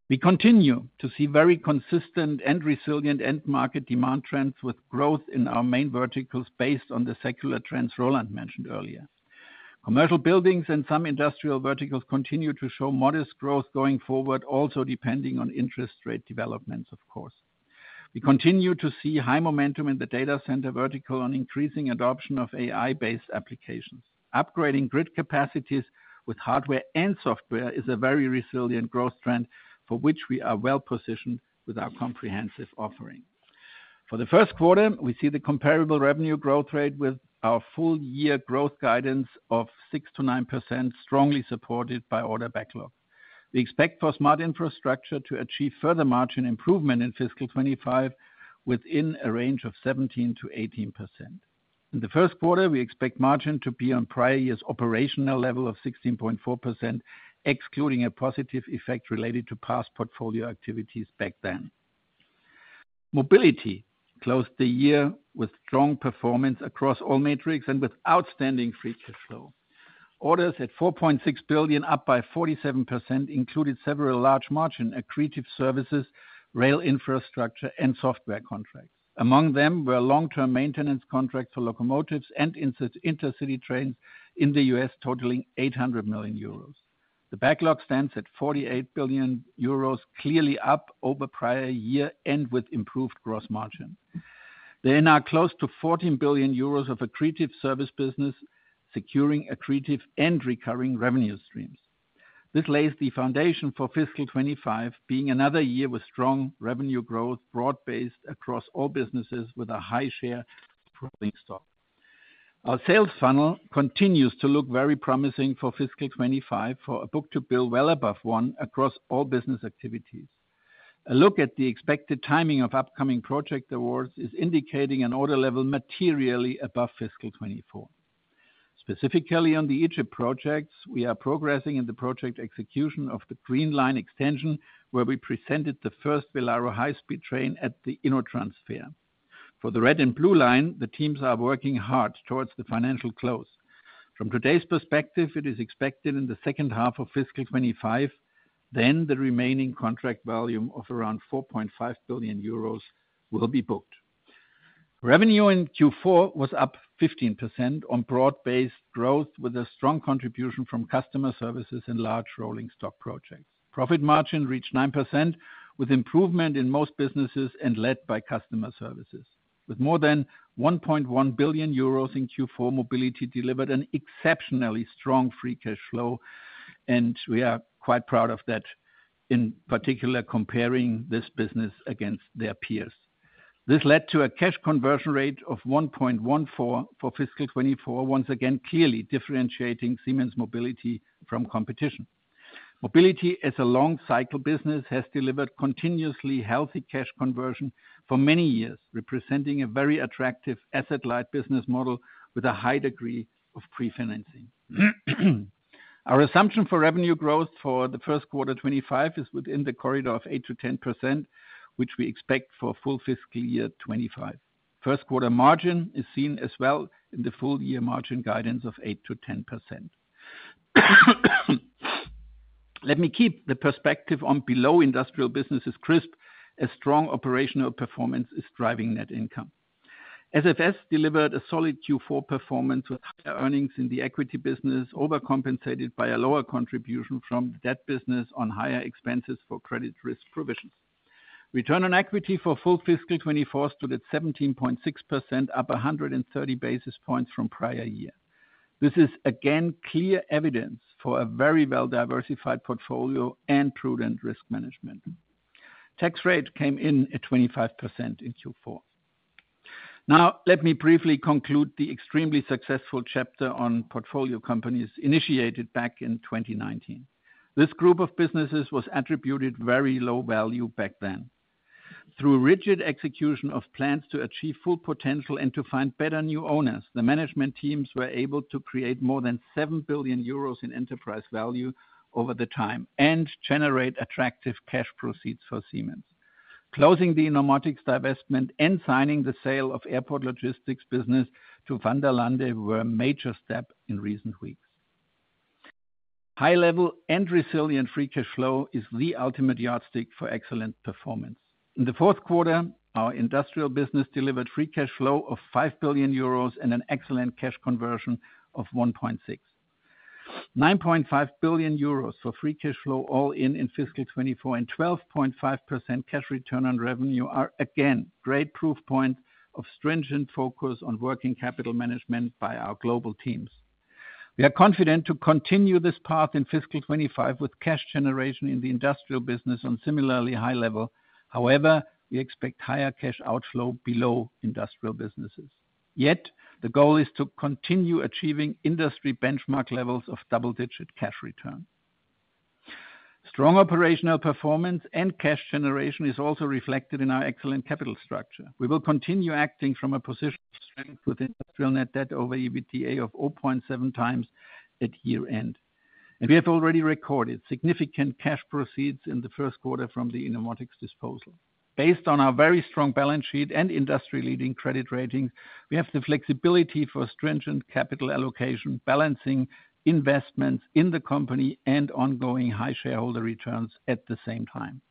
We continue to see very consistent and resilient end market demand trends with growth in our main verticals based on the secular trends Roland mentioned earlier. Commercial buildings and some industrial verticals continue to show modest growth going forward, also depending on interest rate developments, of course. We continue to see high momentum in the data center vertical on increasing adoption of AI-based applications. Upgrading grid capacities with hardware and software is a very resilient growth trend for which we are well positioned with our comprehensive offering. For the first quarter, we see the comparable revenue growth rate with our full-year growth guidance of 6%-9%, strongly supported by order backlog. We expect for Smart Infrastructure to achieve further margin improvement in fiscal 2025 within a range of 17%-18%. In the first quarter, we expect margin to be on prior year's operational level of 16.4%, excluding a positive effect related to past portfolio activities back then. Mobility closed the year with strong performance across all metrics and with outstanding free cash flow. Orders at 4.6 billion, up by 47%, included several large margin accretive services, Rail Infrastructure, and software contracts. Among them were long-term maintenance contracts for locomotives and intercity trains in the U.S., totaling 800 million euros. The backlog stands at 48 billion euros, clearly up over prior year and with improved gross margin. There are now close to 14 billion euros of accretive service business, securing accretive and recurring revenue streams. This lays the foundation for fiscal 25, being another year with strong revenue growth, broad-based across all businesses with a high share of growing stock. Our sales funnel continues to look very promising for fiscal 25 for a book-to-bill well above one across all business activities. A look at the expected timing of upcoming project awards is indicating an order level materially above fiscal 24. Specifically on the Egypt projects, we are progressing in the project execution of the Green Line extension, where we presented the first Velaro high-speed train at the InnoTrans Fair. For the Red and Blue Line, the teams are working hard towards the financial close. From today's perspective, it is expected in the second half of fiscal 25, then the remaining contract volume of around 4.5 billion euros will be booked. Revenue in Q4 was up 15% on broad-based growth, with a strong contribution from Customer Services and large rolling stock projects. Profit margin reached 9%, with improvement in most businesses and led by Customer Services. With more than 1.1 billion euros in Q4, mobility delivered an exceptionally strong free cash flow, and we are quite proud of that, in particular comparing this business against their peers. This led to a cash conversion rate of 1.14 for fiscal 2024, once again clearly differentiating Siemens Mobility from competition. Mobility, as a long-cycle business, has delivered continuously healthy cash conversion for many years, representing a very attractive asset-light business model with a high degree of pre-financing. Our assumption for revenue growth for the first quarter 2025 is within the corridor of 8%-10%, which we expect for full fiscal year 2025. First quarter margin is seen as well in the full-year margin guidance of 8%-10%. Let me keep the perspective on below industrial businesses crisp as strong operational performance is driving net income. SFS delivered a solid Q4 performance with higher earnings in the equity business, overcompensated by a lower contribution from that business on higher expenses for credit risk provisions. Return on equity for full fiscal 2024 stood at 17.6%, up 130 basis points from prior year. This is again clear evidence for a very well-diversified portfolio and prudent risk management. Tax rate came in at 25% in Q4. Now, let me briefly conclude the extremely successful chapter on portfolio companies initiated back in 2019. This group of businesses was attributed very low value back then. Through rigid execution of plans to achieve full potential and to find better new owners, the management teams were able to create more than 7 billion euros in enterprise value over the time and generate attractive cash proceeds for Siemens. Closing the Innomotics divestment and signing the sale of airport logistics business to Vanderlande were a major step in recent weeks. High-level and resilient free cash flow is the ultimate yardstick for excellent performance. In the fourth quarter, our industrial business delivered free cash flow of 5 billion euros and an excellent cash conversion of 1.6. 9.5 billion euros for free cash flow all in in fiscal 2024 and 12.5% cash return on revenue are again great proof points of stringent focus on working capital management by our global teams. We are confident to continue this path in fiscal 2025 with cash generation in the industrial business on similarly high level. However, we expect higher cash outflow below industrial businesses. Yet, the goal is to continue achieving industry benchmark levels of double-digit cash return. Strong operational performance and cash generation is also reflected in our excellent capital structure. We will continue acting from a position of strength with industrial net debt over EBITDA of 0.7 times at year-end, and we have already recorded significant cash proceeds in the first quarter from the Innomotics disposal. Based on our very strong balance sheet and industry-leading credit ratings, we have the flexibility for stringent capital allocation, balancing investments in the company and ongoing high shareholder returns at the same time.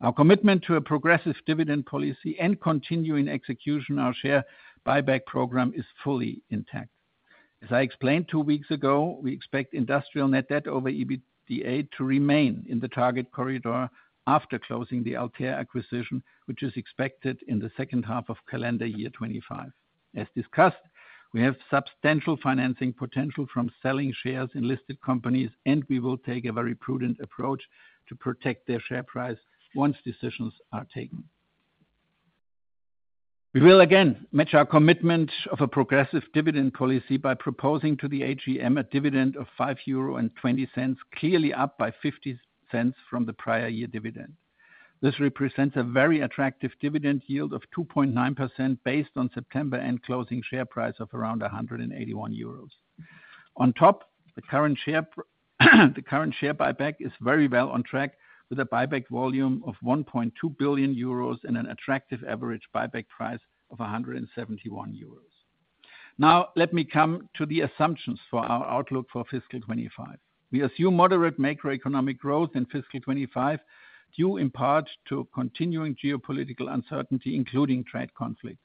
Our commitment to a progressive dividend policy and continuing execution of our share buyback program is fully intact. As I explained two weeks ago, we expect industrial net debt over EBITDA to remain in the target corridor after closing the Altair acquisition, which is expected in the second half of calendar year 2025. As discussed, we have substantial financing potential from selling shares in listed companies, and we will take a very prudent approach to protect their share price once decisions are taken. We will again match our commitment of a progressive dividend policy by proposing to the AGM a dividend of 5.20 euro, clearly up by 0.50 from the prior year dividend. This represents a very attractive dividend yield of 2.9% based on September and closing share price of around 181 euros. On top, the current share buyback is very well on track with a buyback volume of 1.2 billion euros and an attractive average buyback price of 171 euros. Now, let me come to the assumptions for our outlook for fiscal 25. We assume moderate macroeconomic growth in fiscal 25 due in part to continuing geopolitical uncertainty, including trade conflicts.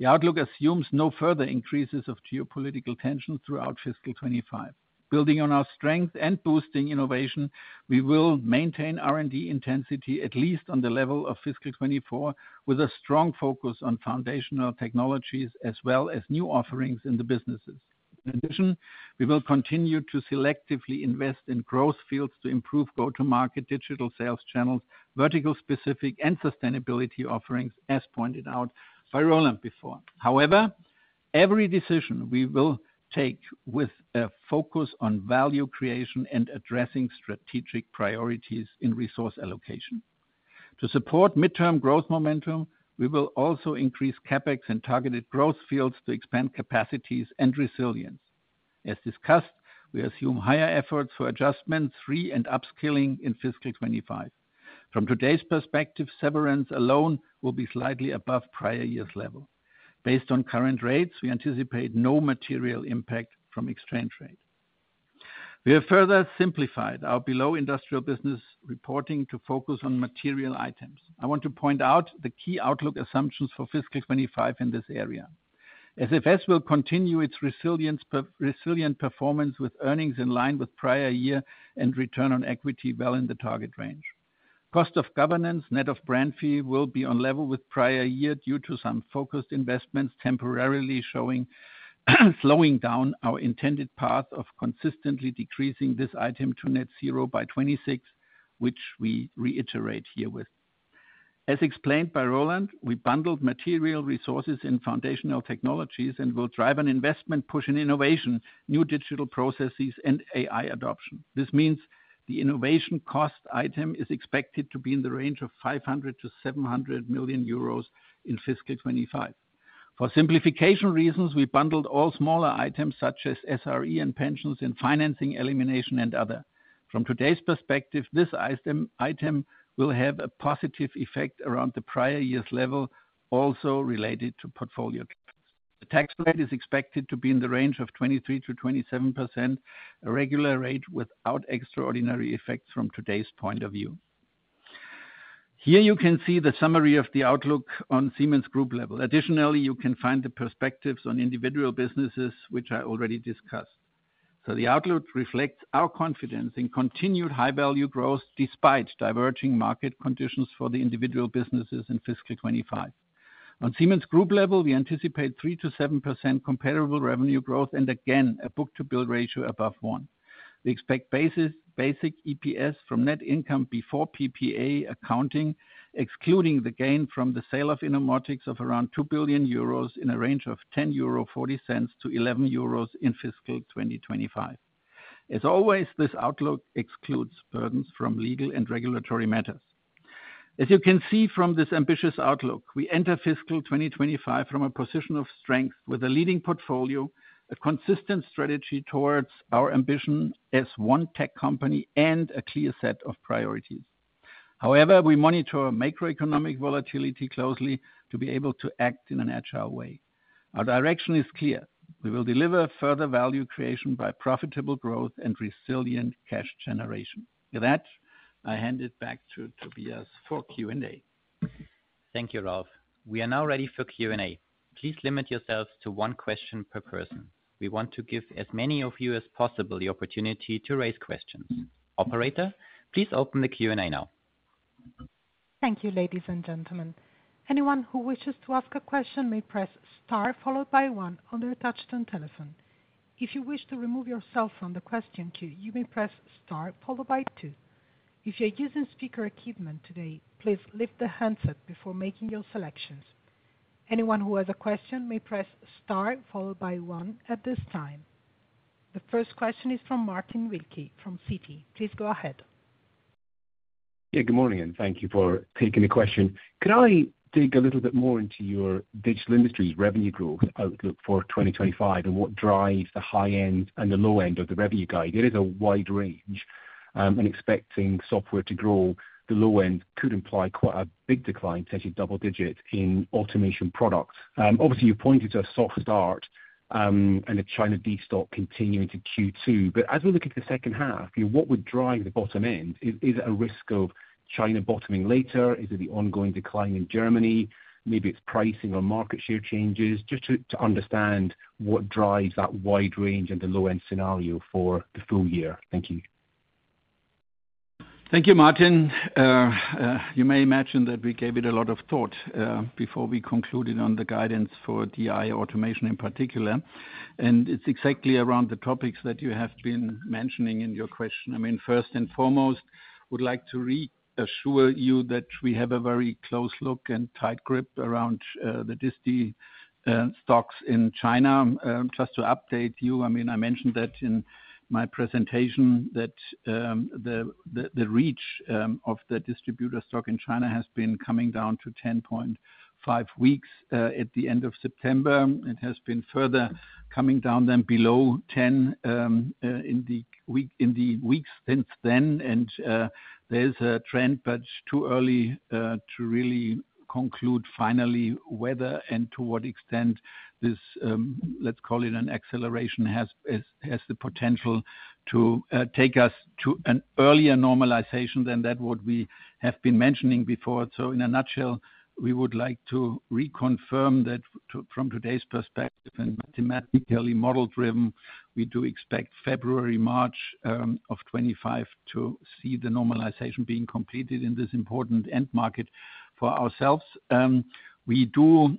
The outlook assumes no further increases of geopolitical tensions throughout fiscal 25. Building on our strength and boosting innovation, we will maintain R&D intensity at least on the level of fiscal 24, with a strong focus on foundational technologies as well as new offerings in the businesses. In addition, we will continue to selectively invest in growth fields to improve go-to-market digital sales channels, vertical-specific, and sustainability offerings, as pointed out by Roland before. However, every decision we will take with a focus on value creation and addressing strategic priorities in resource allocation. To support midterm growth momentum, we will also increase CapEx and targeted growth fields to expand capacities and resilience. As discussed, we assume higher efforts for adjustments, re- and upskilling in fiscal 2025. From today's perspective, severance alone will be slightly above prior year's level. Based on current rates, we anticipate no material impact from exchange rate. We have further simplified our below-the-line industrial business reporting to focus on material items. I want to point out the key outlook assumptions for fiscal 2025 in this area. SFS will continue its resilient performance with earnings in line with prior year and return on equity well in the target range. Cost of governance, net of brand fee, will be on level with prior year due to some focused investments temporarily slowing down our intended path of consistently decreasing this item to net zero by 2026, which we reiterate here with. As explained by Roland, we bundled material resources in foundational technologies and will drive an investment push in innovation, new digital processes, and AI adoption. This means the innovation cost item is expected to be in the range of 500 million-700 million euros in fiscal 2025. For simplification reasons, we bundled all smaller items such as SRE and pensions and financing elimination and other. From today's perspective, this item will have a positive effect around the prior year's level, also related to portfolio gaps. The tax rate is expected to be in the range of 23%-27%, a regular rate without extraordinary effects from today's point of view. Here you can see the summary of the outlook on Siemens Group level. Additionally, you can find the perspectives on individual businesses, which I already discussed. The outlook reflects our confidence in continued high-value growth despite diverging market conditions for the individual businesses in fiscal 2025. On Siemens Group level, we anticipate 3%-7% comparable revenue growth and again a book-to-bill ratio above one. We expect basic EPS from net income before PPA accounting, excluding the gain from the sale of Innomotics of around 2 billion euros in a range of 10.40 euro to 11 euros in fiscal 2025. As always, this outlook excludes burdens from legal and regulatory matters. As you can see from this ambitious outlook, we enter fiscal 2025 from a position of strength with a leading portfolio, a consistent strategy towards our ambition as one tech company and a clear set of priorities. However, we monitor macroeconomic volatility closely to be able to act in an agile way. Our direction is clear. We will deliver further value creation by profitable growth and resilient cash generation. With that, I hand it back to Tobias for Q&A. Thank you, Ralf. We are now ready for Q&A. Please limit yourselves to one question per person. We want to give as many of you as possible the opportunity to raise questions. Operator, please open the Q&A now. Thank you, ladies and gentlemen. Anyone who wishes to ask a question may press star followed by one on their touch-tone telephone. If you wish to remove yourself from the question queue, you may press star followed by two. If you're using speaker equipment today, please lift the handset before making your selections. Anyone who has a question may press star followed by one at this time. The first question is from Martin Wilkie from Citi. Please go ahead. Yeah, good morning and thank you for taking the question. Could I dig a little bit more into your Digital Industries' revenue growth outlook for 2025 and what drives the high end and the low end of the revenue guide? It is a wide range, and expecting software to grow, the low end could imply quite a big decline, potentially double digits, in automation products. Obviously, you pointed to a soft start and a China destocking continuing to Q2, but as we look at the second half, what would drive the bottom end? Is it a risk of China bottoming later? Is it the ongoing decline in Germany? Maybe it's pricing or market share changes? Just to understand what drives that wide range and the low end scenario for the full year. Thank you. Thank you, Martin. You may imagine that we gave it a lot of thought before we concluded on the guidance for DI automation in particular, and it's exactly around the topics that you have been mentioning in your question. I mean, first and foremost, I would like to reassure you that we have a very close look and tight grip around the destocking in China. Just to update you, I mean, I mentioned that in my presentation that the reach of the distributor stock in China has been coming down to 10.5 weeks at the end of September. It has been further coming down, down below 10 in the weeks since then, and there is a trend, but it's too early to really conclude finally whether and to what extent this, let's call it an acceleration, has the potential to take us to an earlier normalization than what we have been mentioning before, so in a nutshell, we would like to reconfirm that from today's perspective and mathematically model-driven, we do expect February, March of 2025 to see the normalization being completed in this important end market for ourselves. We do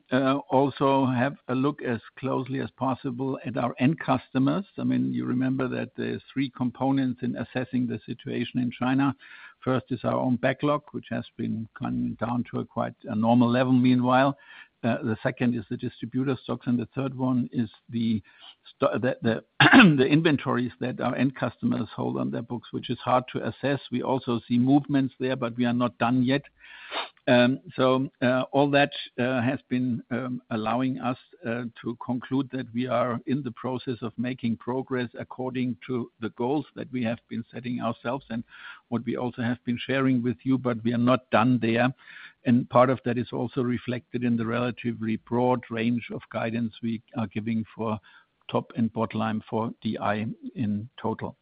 also have a look as closely as possible at our end customers. I mean, you remember that there are three components in assessing the situation in China. First is our own backlog, which has been coming down to a quite normal level meanwhile. The second is the distributor stocks, and the third one is the inventories that our end customers hold on their books, which is hard to assess. We also see movements there, but we are not done yet, so all that has been allowing us to conclude that we are in the process of making progress according to the goals that we have been setting ourselves and what we also have been sharing with you, but we are not done there, and part of that is also reflected in the relatively broad range of guidance we are giving for top and bottom line for DI in total,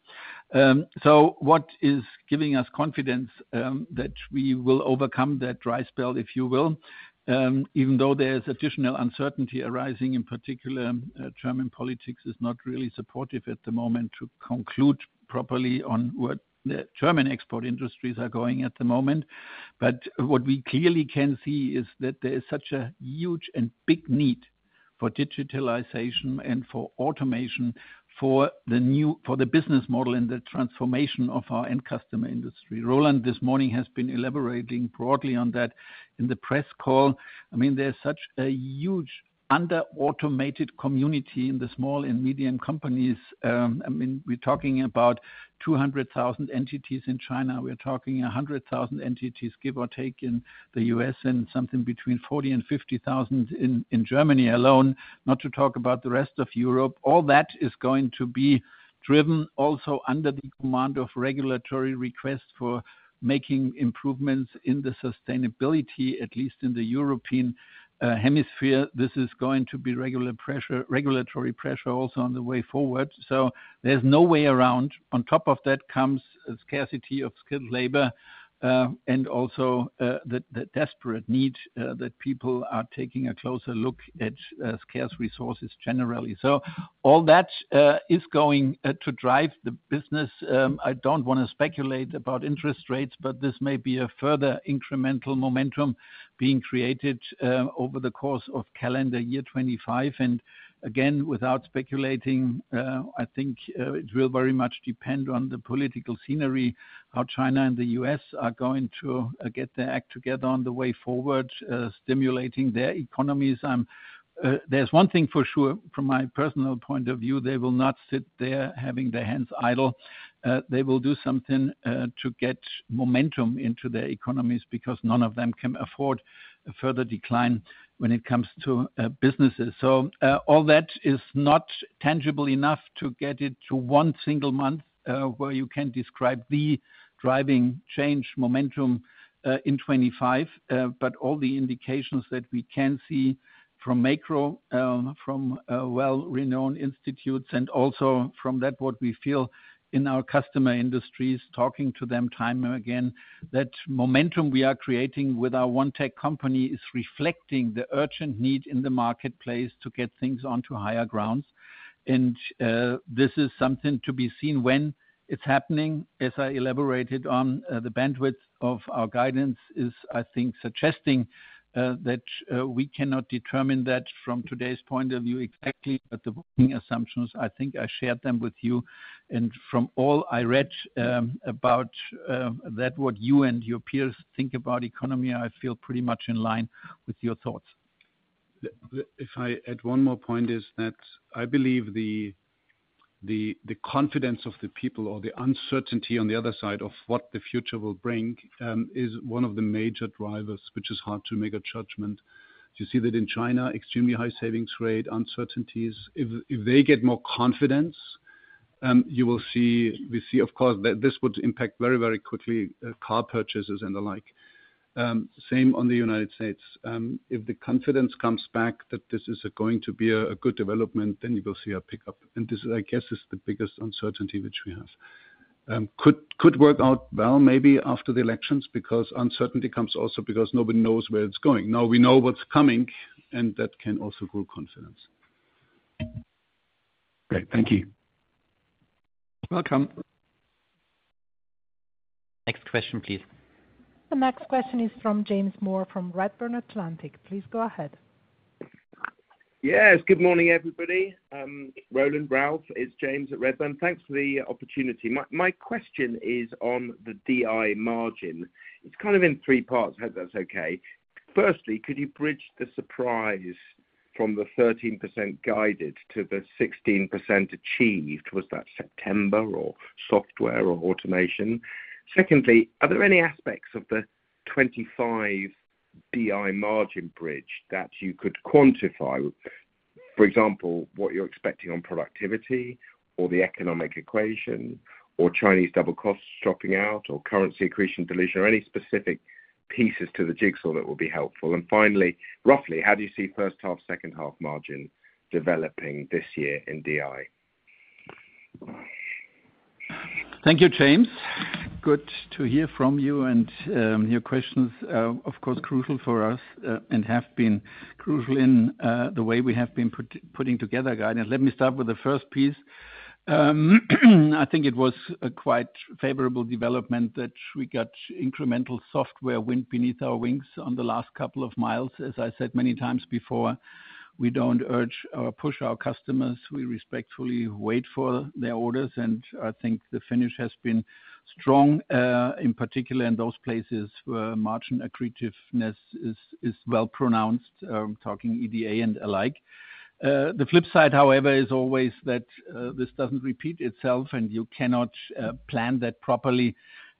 so what is giving us confidence that we will overcome that dry spell, if you will, even though there is additional uncertainty arising? In particular, German politics is not really supportive at the moment to conclude properly on what the German export industries are going at the moment. But what we clearly can see is that there is such a huge and big need for digitalization and for automation for the business model and the transformation of our end customer industry. Roland this morning has been elaborating broadly on that in the press call. I mean, there's such a huge under-automated community in the small and medium companies. I mean, we're talking about 200,000 entities in China. We're talking 100,000 entities, give or take, in the U.S. and something between 40,000-50,000 in Germany alone, not to talk about the rest of Europe. All that is going to be driven also under the command of regulatory requests for making improvements in the sustainability, at least in the European hemisphere. This is going to be regular pressure, regulatory pressure also on the way forward. So there's no way around. On top of that comes scarcity of skilled labor and also the desperate need that people are taking a closer look at scarce resources generally. So all that is going to drive the business. I don't want to speculate about interest rates, but this may be a further incremental momentum being created over the course of calendar year 2025, and again, without speculating, I think it will very much depend on the political scenery, how China and the U.S. are going to get their act together on the way forward, stimulating their economies. There's one thing for sure from my personal point of view, they will not sit there having their hands idle. They will do something to get momentum into their economies because none of them can afford a further decline when it comes to businesses, so all that is not tangible enough to get it to one single month where you can describe the driving change momentum in 2025, but all the indications that we can see from macro, from well-renowned institutes, and also from that, what we feel in our customer industries, talking to them time and again, that momentum we are creating with our one tech company is reflecting the urgent need in the marketplace to get things onto higher grounds, and this is something to be seen when it's happening. As I elaborated on, the bandwidth of our guidance is, I think, suggesting that we cannot determine that from today's point of view exactly, but the working assumptions, I think I shared them with you. From all I read about that, what you and your peers think about economy, I feel pretty much in line with your thoughts. If I add one more point, it is that I believe the confidence of the people or the uncertainty on the other side of what the future will bring is one of the major drivers, which is hard to make a judgment. You see that in China, extremely high savings rate, uncertainties. If they get more confidence, you will see, we see, of course, that this would impact very, very quickly car purchases and the like. Same on the United States. If the confidence comes back that this is going to be a good development, then you will see a pickup. And this, I guess, is the biggest uncertainty which we have. Could work out well, maybe after the elections, because uncertainty comes also because nobody knows where it's going. Now we know what's coming, and that can also grow confidence. Great. Thank you. Welcome. Next question, please. The next question is from James Moore from Redburn Atlantic. Please go ahead. Yes. Good morning, everybody. Roland, Ralf, it's James at Redburn. Thanks for the opportunity. My question is on the DI margin. It's kind of in three parts, if that's okay. Firstly, could you bridge the surprise from the 13% guided to the 16% achieved? Was that September or software or automation? Secondly, are there any aspects of the 2025 DI margin bridge that you could quantify? For example, what you're expecting on productivity or the economic equation or Chinese double costs dropping out or currency accretion dilution or any specific pieces to the jigsaw that would be helpful? And finally, roughly, how do you see first half, second half margin developing this year in DI? Thank you, James. Good to hear from you. And your questions, of course, crucial for us and have been crucial in the way we have been putting together guidance. Let me start with the first piece. I think it was a quite favorable development that we got incremental software wind beneath our wings on the last couple of miles. As I said many times before, we don't urge or push our customers. We respectfully wait for their orders. And I think the finish has been strong, in particular in those places where margin accretiveness is well pronounced, talking EDA and alike. The flip side, however, is always that this doesn't repeat itself and you cannot plan that properly.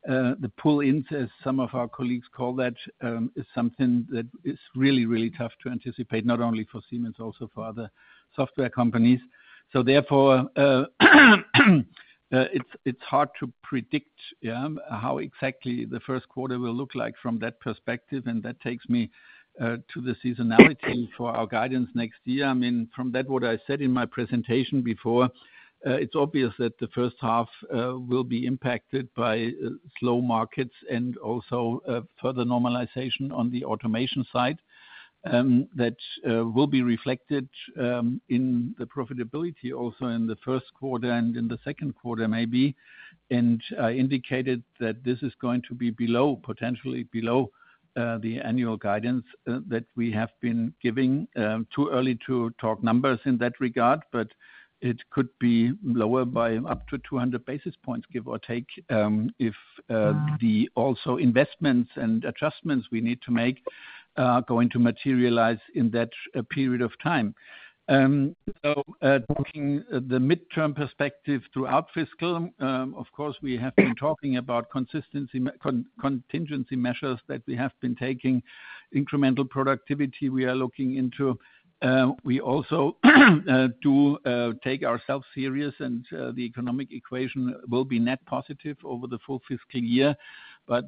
The pull-ins, as some of our colleagues call that, is something that is really, really tough to anticipate, not only for Siemens, also for other software companies. So therefore, it's hard to predict how exactly the first quarter will look like from that perspective, and that takes me to the seasonality for our guidance next year. I mean, from that, what I said in my presentation before, it's obvious that the first half will be impacted by slow markets and also further normalization on the automation side that will be reflected in the profitability also in the first quarter and in the second quarter maybe, and I indicated that this is going to be below, potentially below the annual guidance that we have been giving. Too early to talk numbers in that regard, but it could be lower by up to 200 basis points, give or take, if the also investments and adjustments we need to make are going to materialize in that period of time. So talking the midterm perspective throughout fiscal, of course, we have been talking about consistency, contingency measures that we have been taking, incremental productivity we are looking into. We also do take ourselves seriously and the economic equation will be net positive over the full fiscal year, but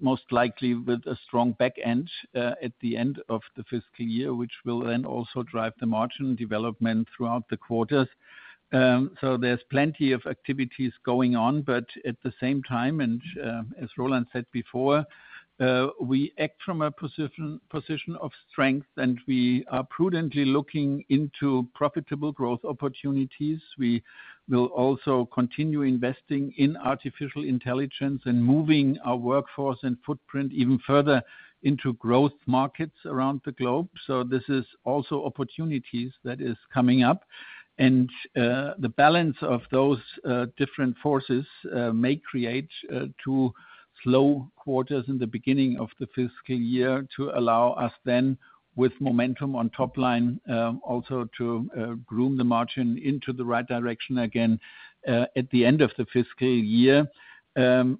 most likely with a strong back end at the end of the fiscal year, which will then also drive the margin development throughout the quarters. So there's plenty of activities going on, but at the same time, and as Roland said before, we act from a position of strength and we are prudently looking into profitable growth opportunities. We will also continue investing in artificial intelligence and moving our workforce and footprint even further into growth markets around the globe. So this is also opportunities that are coming up. And the balance of those different forces may create two slow quarters in the beginning of the fiscal year to allow us then, with momentum on top line, also to groom the margin into the right direction again at the end of the fiscal year.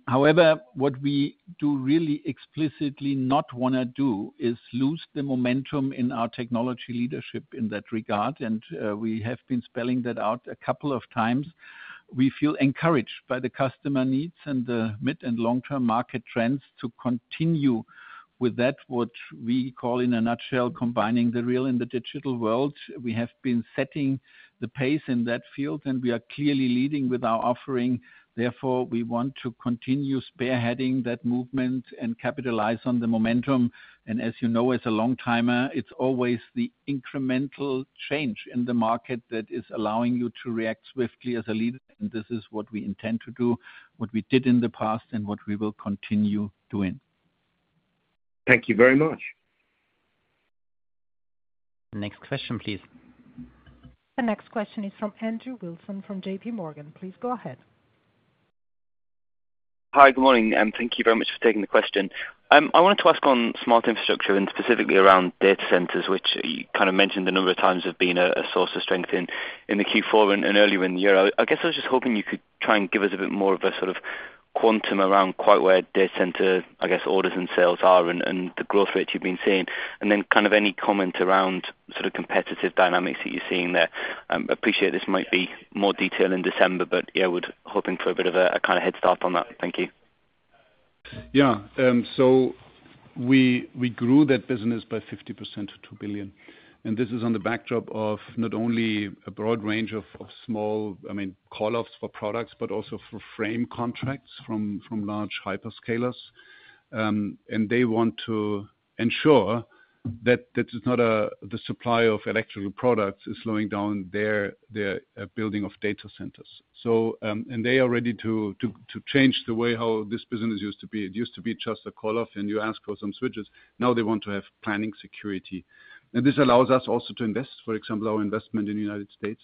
However, what we do really explicitly not want to do is lose the momentum in our technology leadership in that regard. And we have been spelling that out a couple of times. We feel encouraged by the customer needs and the mid and long-term market trends to continue with that, what we call in a nutshell, combining the real and the digital world. We have been setting the pace in that field and we are clearly leading with our offering. Therefore, we want to continue spearheading that movement and capitalize on the momentum, and as you know, as a long-timer, it's always the incremental change in the market that is allowing you to react swiftly as a leader. And this is what we intend to do, what we did in the past, and what we will continue doing. Thank you very much. Next question, please. The next question is from Andrew Wilson from JP Morgan. Please go ahead. Hi, good morning, and thank you very much for taking the question. I wanted to ask on Smart Infrastructure and specifically around Data Centers, which you kind of mentioned a number of times have been a source of strength in the Q4 and earlier in the year. I guess I was just hoping you could try and give us a bit more of a sort of quantum around quite where data center, I guess, orders and sales are and the growth rate you've been seeing. And then kind of any comment around sort of competitive dynamics that you're seeing there. Appreciate this might be more detail in December, but yeah, we're hoping for a bit of a kind of head start on that. Thank you. Yeah. So we grew that business by 50% to 2 billion. And this is on the backdrop of not only a broad range of small, I mean, call-offs for products, but also for frame contracts from large hyperscalers. And they want to ensure that the supply of electrical products is slowing down their building of data centers. And they are ready to change the way how this business used to be. It used to be just a call-off, and you ask for some switches. Now they want to have planning security, and this allows us also to invest, for example, our investment in the United States,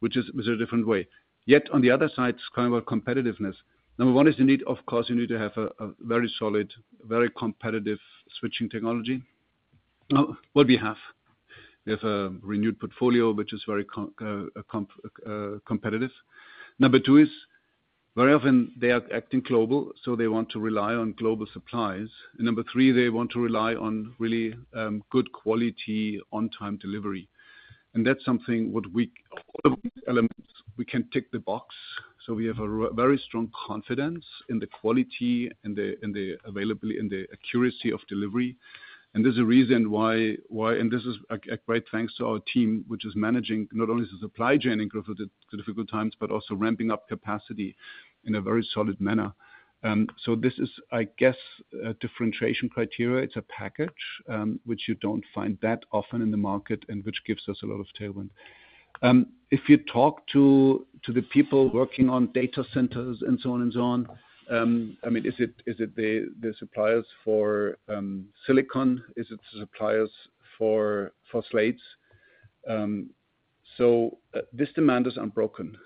which is a different way. Yet on the other side, it's kind of a competitiveness. Number one is the need, of course. You need to have a very solid, very competitive switching technology. What we have, we have a renewed portfolio, which is very competitive. Number two is very often they are acting global, so they want to rely on global supplies, and number three, they want to rely on really good quality on-time delivery, and that's something what we can tick the box, so we have a very strong confidence in the quality and the accuracy of delivery. There's a reason why, and this is a great thanks to our team, which is managing not only the supply chain in difficult times, but also ramping up capacity in a very solid manner. So this is, I guess, a differentiation criteria. It's a package which you don't find that often in the market and which gives us a lot of tailwind. If you talk to the people working on data centers and so on and so on, I mean, is it the suppliers for silicon? Is it the suppliers for switches? So this demand is unbroken.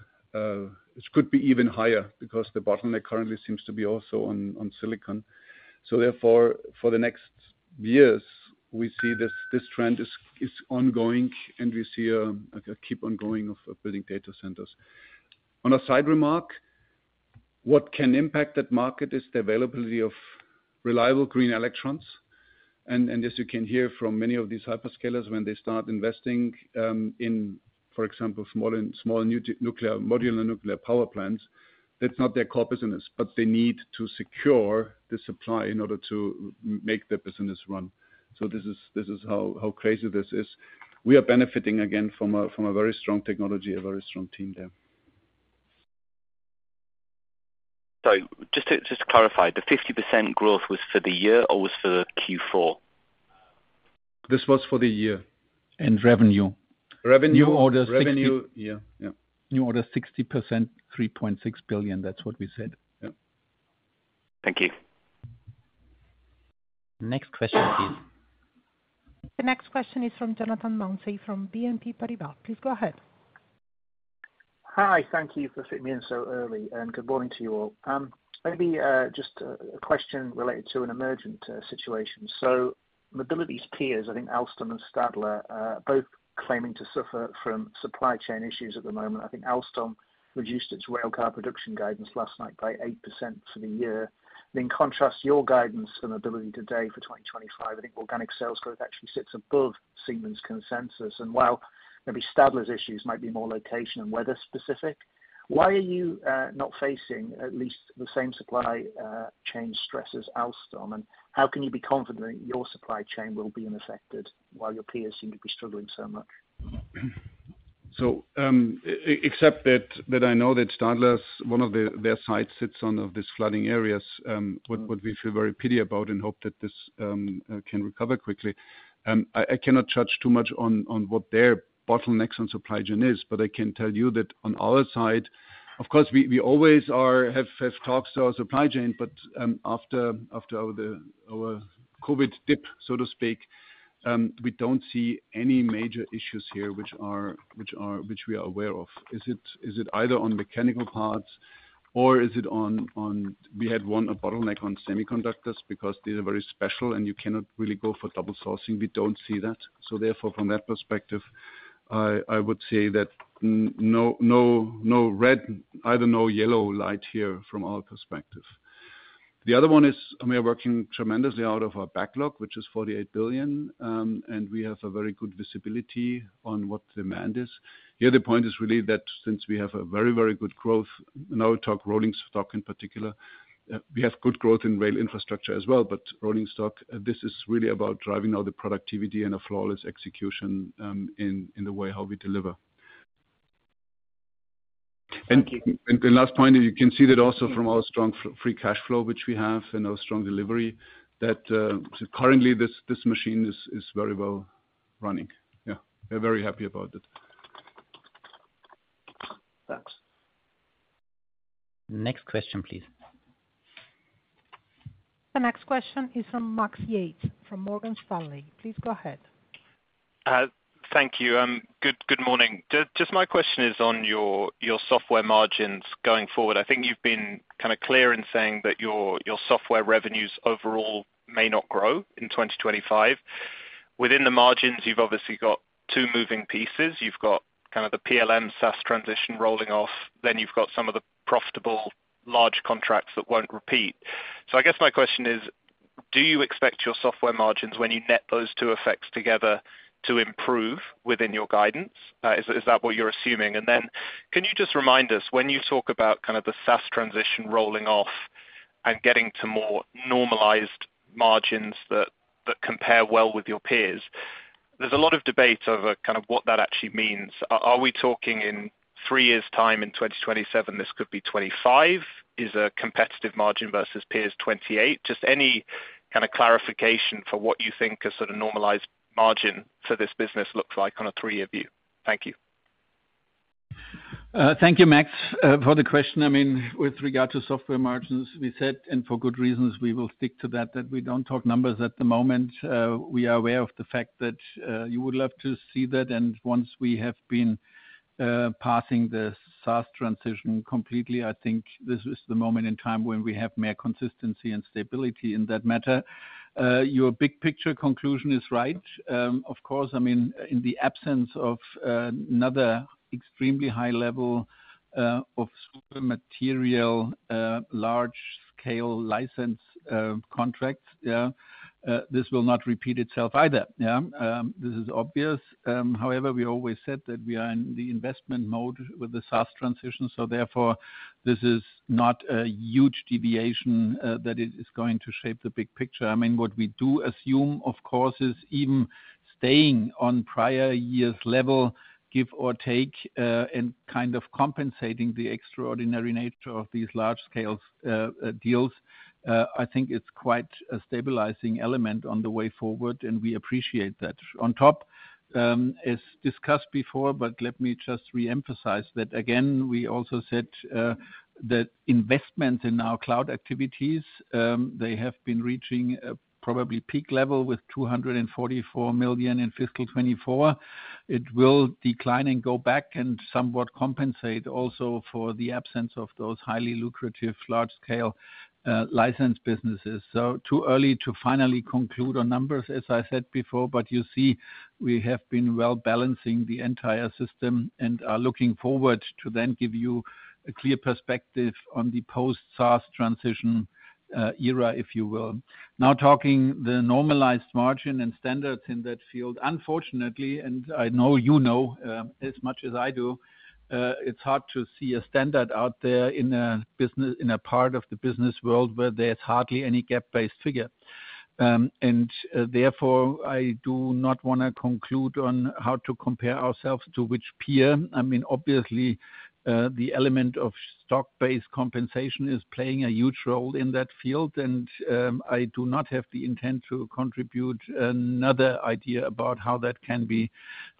It could be even higher because the bottleneck currently seems to be also on silicon. So therefore, for the next years, we see this trend is ongoing and we see a keep on going of building data centers. On a side remark, what can impact that market is the availability of reliable green electrons. And as you can hear from many of these hyperscalers when they start investing in, for example, small nuclear modular nuclear power plants, that's not their core business, but they need to secure the supply in order to make their business run. So this is how crazy this is. We are benefiting again from a very strong technology, a very strong team there. So just to clarify, the 50% growth was for the year or was for Q4? This was for the year. And revenue. Revenue orders 60%. Yeah. New orders 60%, 3.6 billion. That's what we said. Yeah. Thank you. Next question, please. The next question is from Jonathan Mounsey from BNP Paribas.Please go ahead. Hi. Thank you for fitting me in so early, and good morning to you all. Maybe just a question related to an emergent situation. So Mobility's peers, I think Alstom and Stadler, are both claiming to suffer from supply chain issues at the moment. I think Alstom reduced its railcar production guidance last night by 8% for the year. And in contrast, your guidance for Mobility today for 2025, I think organic sales growth actually sits above Siemens' consensus. And while maybe Stadler's issues might be more location and weather specific, why are you not facing at least the same supply chain stress as Alstom? And how can you be confident that your supply chain will be unaffected while your peers seem to be struggling so much? So except that I know that Stadler's one of their sites sits on one of these flooding areas, which we feel very sorry about and hope that this can recover quickly. I cannot judge too much on what their bottlenecks on supply chain is, but I can tell you that on our side, of course, we always have talks to our supply chain, but after our COVID dip, so to speak, we don't see any major issues here which we are aware of. Is it either on mechanical parts or is it on we had one bottleneck on semiconductors because these are very special and you cannot really go for double sourcing. We don't see that. So therefore, from that perspective, I would say that no red, either no yellow light here from our perspective. The other one is we are working tremendously out of our backlog, which is 48 billion, and we have a very good visibility on what demand is. Here, the point is really that since we have a very, very good growth, and I would talk rolling stock in particular, we have good growth in rail infrastructure as well, but rolling stock, this is really about driving all the productivity and a flawless execution in the way how we deliver. And the last point, you can see that also from our strong free cash flow, which we have and our strong delivery that currently this machine is very well running. Yeah. We're very happy about it. Thanks. Next question, please. The next question is from Max Yates from Morgan Stanley. Please go ahead. Thank you. Good morning. Just my question is on your software margins going forward. I think you've been kind of clear in saying that your software revenues overall may not grow in 2025. Within the margins, you've obviously got two moving pieces. You've got kind of the PLM SaaS transition rolling off, then you've got some of the profitable large contracts that won't repeat. So I guess my question is, do you expect your software margins when you net those two effects together to improve within your guidance? Is that what you're assuming? And then can you just remind us when you talk about kind of the SaaS transition rolling off and getting to more normalized margins that compare well with your peers? There's a lot of debate over kind of what that actually means. Are we talking in three years' time in 2027? This could be 2025. Is a competitive margin versus peers 2028? Just any kind of clarification for what you think a sort of normalized margin for this business looks like on a three-year view? Thank you. Thank you, Max, for the question. I mean, with regard to software margins, we said, and for good reasons, we will stick to that, that we don't talk numbers at the moment. We are aware of the fact that you would love to see that. And once we have been passing the SaaS transition completely, I think this is the moment in time when we have more consistency and stability in that matter. Your big picture conclusion is right. Of course, I mean, in the absence of another extremely high level of material, large-scale license contracts, this will not repeat itself either. This is obvious. However, we always said that we are in the investment mode with the SaaS transition. So therefore, this is not a huge deviation that is going to shape the big picture. I mean, what we do assume, of course, is even staying on prior year's level, give or take, and kind of compensating the extraordinary nature of these large-scale deals. I think it's quite a stabilizing element on the way forward, and we appreciate that. On top, as discussed before, but let me just re-emphasize that again, we also said that investments in our cloud activities, they have been reaching probably peak level with 244 million in fiscal 2024. It will decline and go back and somewhat compensate also for the absence of those highly lucrative large-scale license businesses. So too early to finally conclude on numbers, as I said before, but you see we have been well balancing the entire system and are looking forward to then give you a clear perspective on the post-SaaS transition era, if you will. Now, talking the normalized margin and standards in that field, unfortunately, and I know you know as much as I do, it's hard to see a standard out there in a part of the business world where there's hardly any GAAP-based figure. And therefore, I do not want to conclude on how to compare ourselves to which peer. I mean, obviously, the element of stock-based compensation is playing a huge role in that field. And I do not have the intent to contribute another idea about how that can be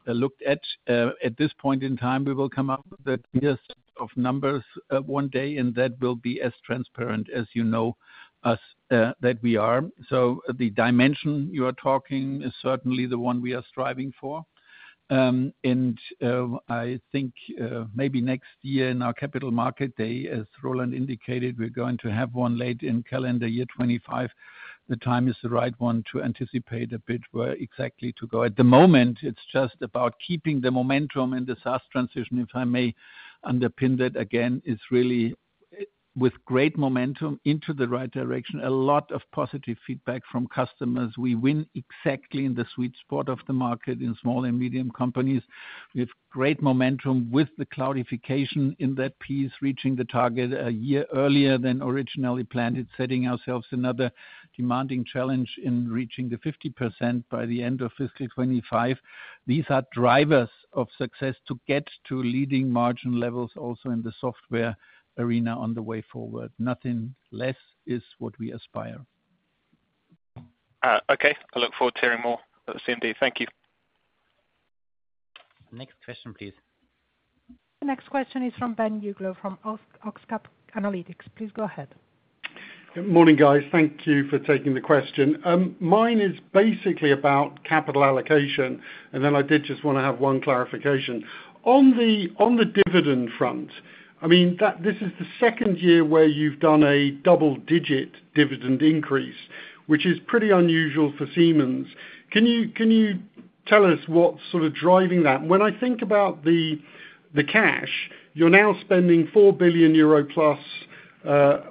looked at. At this point in time, we will come up with a list of numbers one day, and that will be as transparent as you know us that we are. So the dimension you are talking is certainly the one we are striving for. I think maybe next year in our capital market day, as Roland indicated, we're going to have one late in calendar year 2025. The time is the right one to anticipate a bit where exactly to go. At the moment, it's just about keeping the momentum in the SaaS transition, if I may underpin that again, is really with great momentum into the right direction. A lot of positive feedback from customers. We win exactly in the sweet spot of the market in small and medium companies. We have great momentum with the cloudification in that piece, reaching the target a year earlier than originally planned, setting ourselves another demanding challenge in reaching the 50% by the end of fiscal 2025. These are drivers of success to get to leading margin levels also in the software arena on the way forward. Nothing less is what we aspire. Okay. I look forward to hearing more at CMD. Thank you. Next question, please. The next question is from Ben Uglow from OxCap Analytics. Please go ahead. Good morning, guys. Thank you for taking the question. Mine is basically about capital allocation, and then I did just want to have one clarification. On the dividend front, I mean, this is the second year where you've done a double-digit dividend increase, which is pretty unusual for Siemens. Can you tell us what's sort of driving that? When I think about the cash, you're now spending 4 billion euro plus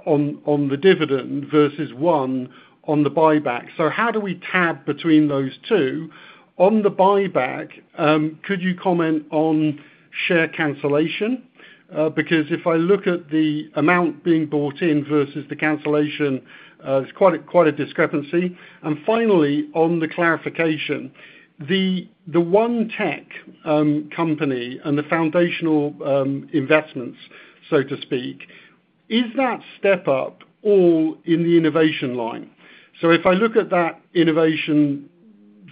on the dividend versus 1 billion on the buyback. So how do we tab between those two? On the buyback, could you comment on share cancellation? Because if I look at the amount being bought in versus the cancellation, there's quite a discrepancy. Finally, on the clarification, the one tech company and the foundational investments, so to speak, is that step up all in the innovation line? If I look at that innovation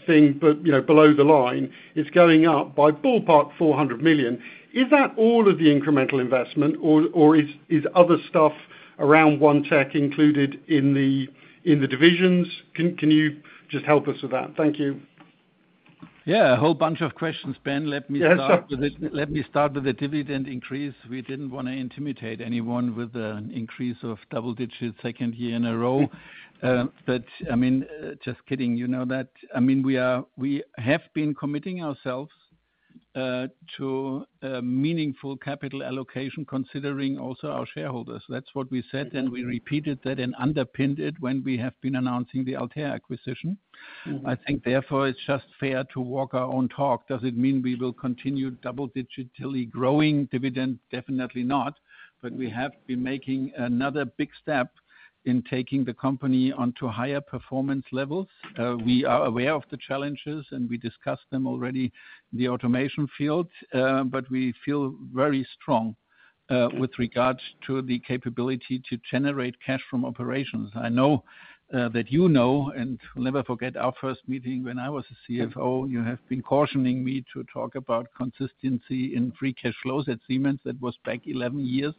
thing, but below the line, it's going up by ballpark 400 million. Is that all of the incremental investment, or is other stuff around one tech included in the divisions? Can you just help us with that? Thank you. Yeah. A whole bunch of questions, Ben. Let me start with the dividend increase. We didn't want to intimidate anyone with an increase of double-digit second year in a row. I mean, just kidding. You know that. I mean, we have been committing ourselves to meaningful capital allocation considering also our shareholders. That's what we said, and we repeated that and underpinned it when we have been announcing the Altair acquisition. I think, therefore, it's just fair to walk our own talk. Does it mean we will continue double-digitally growing dividend? Definitely not, but we have been making another big step in taking the company onto higher performance levels. We are aware of the challenges, and we discussed them already in the automation field, but we feel very strong with regards to the capability to generate cash from operations. I know that you know, and never forget our first meeting when I was a CFO. You have been cautioning me to talk about consistency in free cash flows at Siemens. That was back 11 years,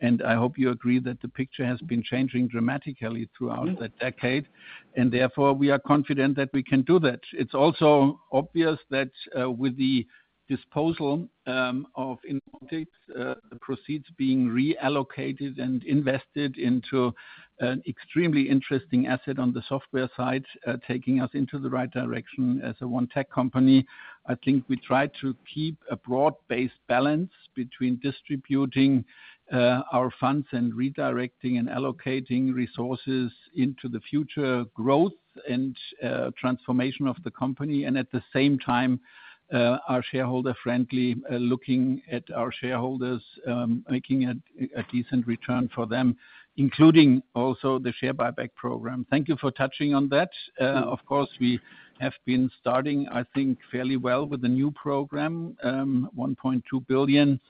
and I hope you agree that the picture has been changing dramatically throughout that decade, and therefore, we are confident that we can do that. It's also obvious that with the disposal of Innomotics, the proceeds being reallocated and invested into an extremely interesting asset on the software side, taking us into the right direction as a one tech company. I think we tried to keep a broad-based balance between distributing our funds and redirecting and allocating resources into the future growth and transformation of the company. At the same time, our shareholder-friendly looking at our shareholders, making a decent return for them, including also the share buyback program. Thank you for touching on that. Of course, we have been starting, I think, fairly well with a new program, 1.2 billion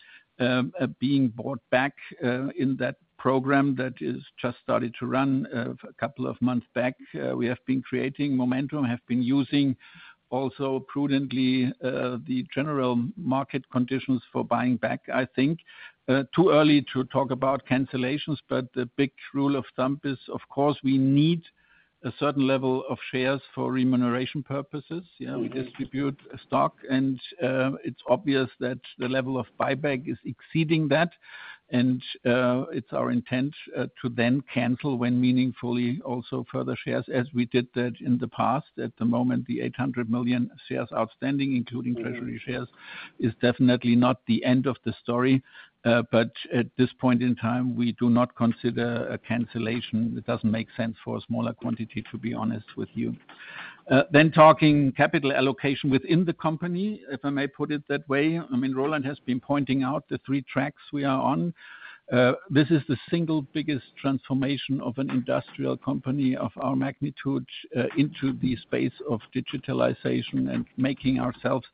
being bought back in that program that has just started to run a couple of months back. We have been creating momentum, have been using also prudently the general market conditions for buying back. I think too early to talk about cancellations, but the big rule of thumb is, of course, we need a certain level of shares for remuneration purposes. We distribute stock, and it's obvious that the level of buyback is exceeding that. And it's our intent to then cancel when meaningfully also further shares, as we did that in the past. At the moment, the 800 million shares outstanding, including treasury shares, is definitely not the end of the story. But at this point in time, we do not consider a cancellation. It doesn't make sense for a smaller quantity, to be honest with you. Then talking capital allocation within the company, if I may put it that way, I mean, Roland has been pointing out the three tracks we are on. This is the single biggest transformation of an industrial company of our magnitude into the space of digitalization and making ourselves